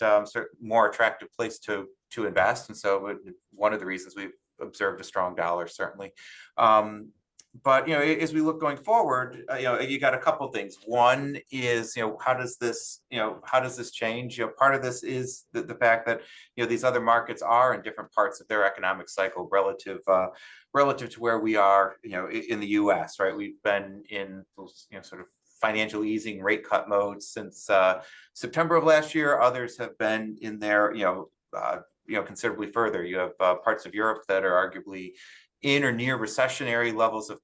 more attractive place to invest. And so one of the reasons we've observed a strong dollar, certainly. But as we look going forward, you got a couple of things. One is how does this change? Part of this is the fact that these other markets are in different parts of their economic cycle relative to where we are in the U.S., right? We've been in sort of financial easing rate cut mode since September of last year. Others have been in there considerably further. You have parts of Europe that are arguably in or near recessionary levels of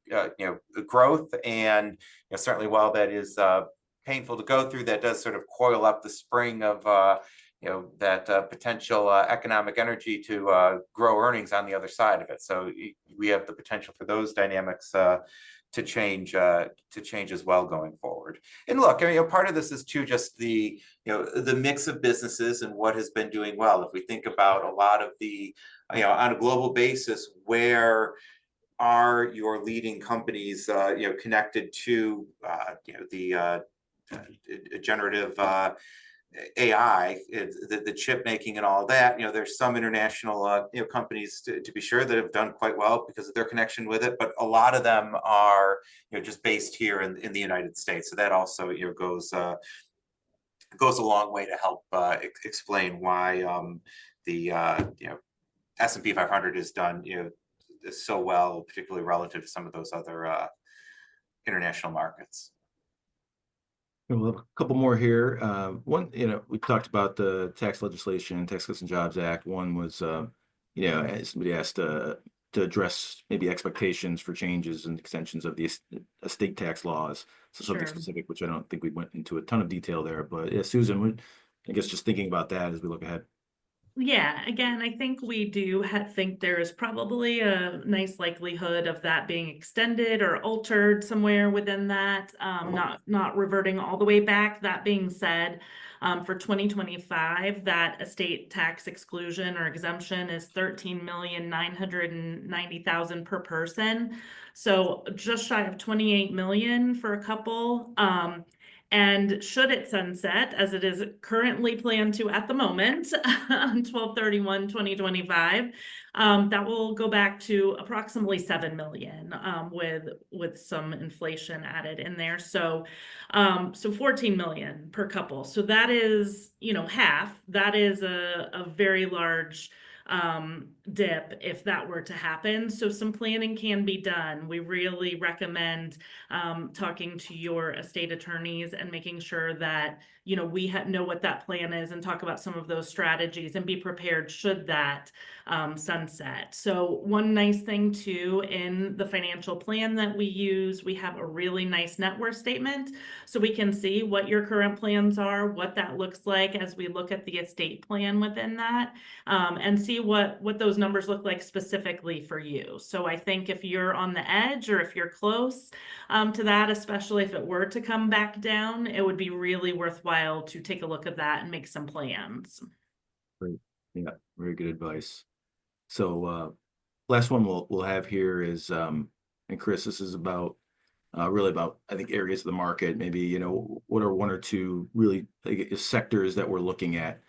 growth. And certainly, while that is painful to go through, that does sort of coil up the spring of that potential economic energy to grow earnings on the other side of it. So we have the potential for those dynamics to change as well going forward. And look, part of this is too just the mix of businesses and what has been doing well. If we think about a lot of the, on a global basis, where are your leading companies connected to the generative AI, the chip making and all of that? There's some international companies, to be sure, that have done quite well because of their connection with it, but a lot of them are just based here in the United States. So that also goes a long way to help explain why the S&P 500 has done so well, particularly relative to some of those other international markets. A couple more here. We talked about the tax legislation, Tax Cuts and Jobs Act. One was somebody asked to address maybe expectations for changes and extensions of the estate tax laws. So something specific, which I don't think we went into a ton of detail there. But Susan, I guess just thinking about that as we look ahead. Yeah. Again, I think we do think there is probably a nice likelihood of that being extended or altered somewhere within that, not reverting all the way back. That being said, for 2025, that estate tax exclusion or exemption is $13,990,000 per person. So just shy of $28 million for a couple. And should it sunset, as it is currently planned to at the moment on 12/31/2025, that will go back to approximately $7 million with some inflation added in there. So $14 million per couple. So that is half. That is a very large dip if that were to happen. So some planning can be done. We really recommend talking to your estate attorneys and making sure that we know what that plan is and talk about some of those strategies and be prepared should that sunset. So one nice thing too in the financial plan that we use, we have a really nice net worth statement. So we can see what your current plans are, what that looks like as we look at the estate plan within that, and see what those numbers look like specifically for you. So I think if you're on the edge or if you're close to that, especially if it were to come back down, it would be really worthwhile to take a look at that and make some plans. Great. Yeah. Very good advice. So last one we'll have here is, and Chris, this is really about, I think, areas of the market. Maybe what are one or two really sectors that we're looking at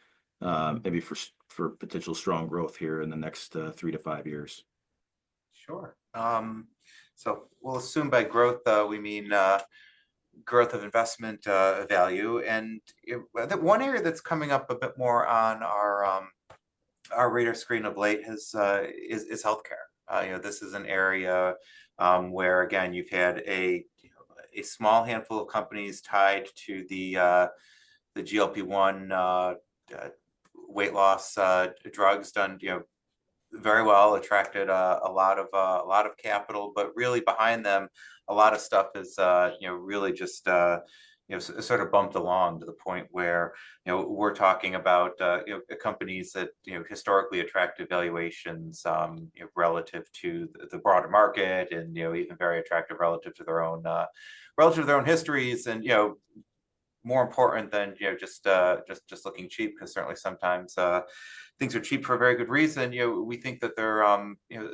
maybe for potential strong growth here in the next three to five years? Sure. So we'll assume by growth, we mean growth of investment value. And one area that's coming up a bit more on our radar screen of late is healthcare. This is an area where, again, you've had a small handful of companies tied to the GLP-1 weight loss drugs done very well, attracted a lot of capital, but really behind them, a lot of stuff is really just sort of bumped along to the point where we're talking about companies that historically attracted valuations relative to the broader market and even very attractive relative to their own histories. And more important than just looking cheap, because certainly sometimes things are cheap for a very good reason, we think that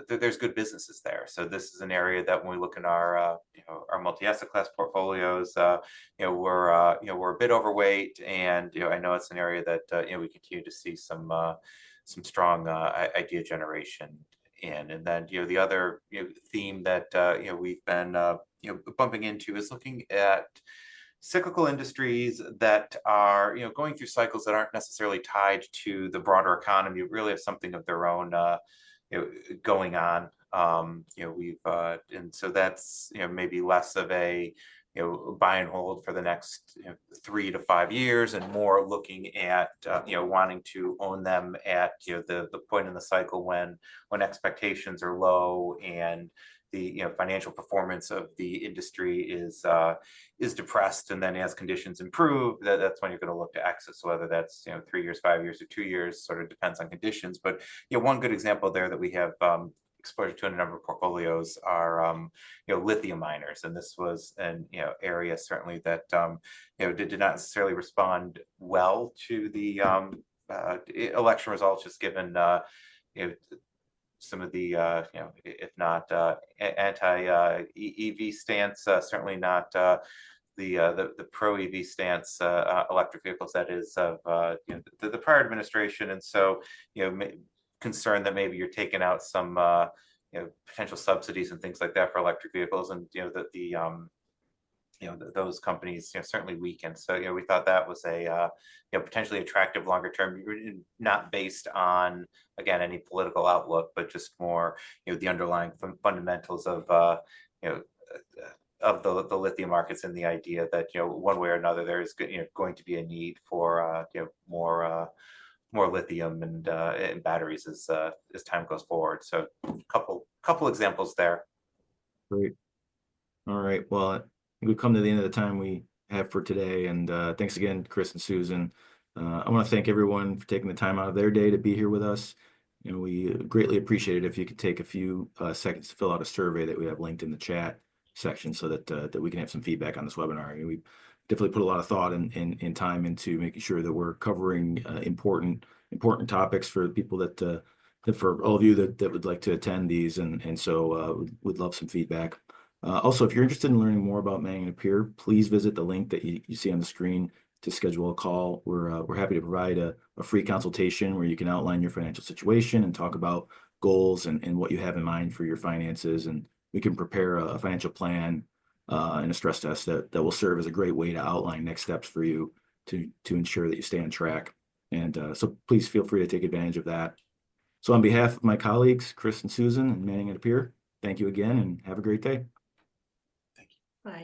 there's good businesses there. So this is an area that when we look in our multi-asset class portfolios, we're a bit overweight. I know it's an area that we continue to see some strong idea generation in. Then the other theme that we've been bumping into is looking at cyclical industries that are going through cycles that aren't necessarily tied to the broader economy, really have something of their own going on. So that's maybe less of a buy and hold for the next three to five years and more looking at wanting to own them at the point in the cycle when expectations are low and the financial performance of the industry is depressed. Then as conditions improve, that's when you're going to look to exit. Whether that's three years, five years, or two years sort of depends on conditions. One good example there that we have exposure to in a number of portfolios are lithium miners. And this was an area certainly that did not necessarily respond well to the election results, just given some of the, if not anti-EV stance, certainly not the pro-EV stance, electric vehicles that is, of the prior administration. And so concerned that maybe you're taking out some potential subsidies and things like that for electric vehicles and that those companies certainly weaken. So we thought that was a potentially attractive longer-term, not based on, again, any political outlook, but just more the underlying fundamentals of the lithium markets and the idea that one way or another, there is going to be a need for more lithium and batteries as time goes forward. So a couple of examples there. Great. All right. Well, we've come to the end of the time we have for today, and thanks again, Chris and Susan. I want to thank everyone for taking the time out of their day to be here with us. We greatly appreciate it if you could take a few seconds to fill out a survey that we have linked in the chat section so that we can have some feedback on this webinar. We definitely put a lot of thought and time into making sure that we're covering important topics for people that, for all of you that would like to attend these, and so we'd love some feedback. Also, if you're interested in learning more about Manning & Napier, please visit the link that you see on the screen to schedule a call. We're happy to provide a free consultation where you can outline your financial situation and talk about goals and what you have in mind for your finances. And we can prepare a financial plan and a stress test that will serve as a great way to outline next steps for you to ensure that you stay on track. And so please feel free to take advantage of that. So on behalf of my colleagues, Chris and Susan nd Manning & Napier, thank you again and have a great day. Thank you. Bye.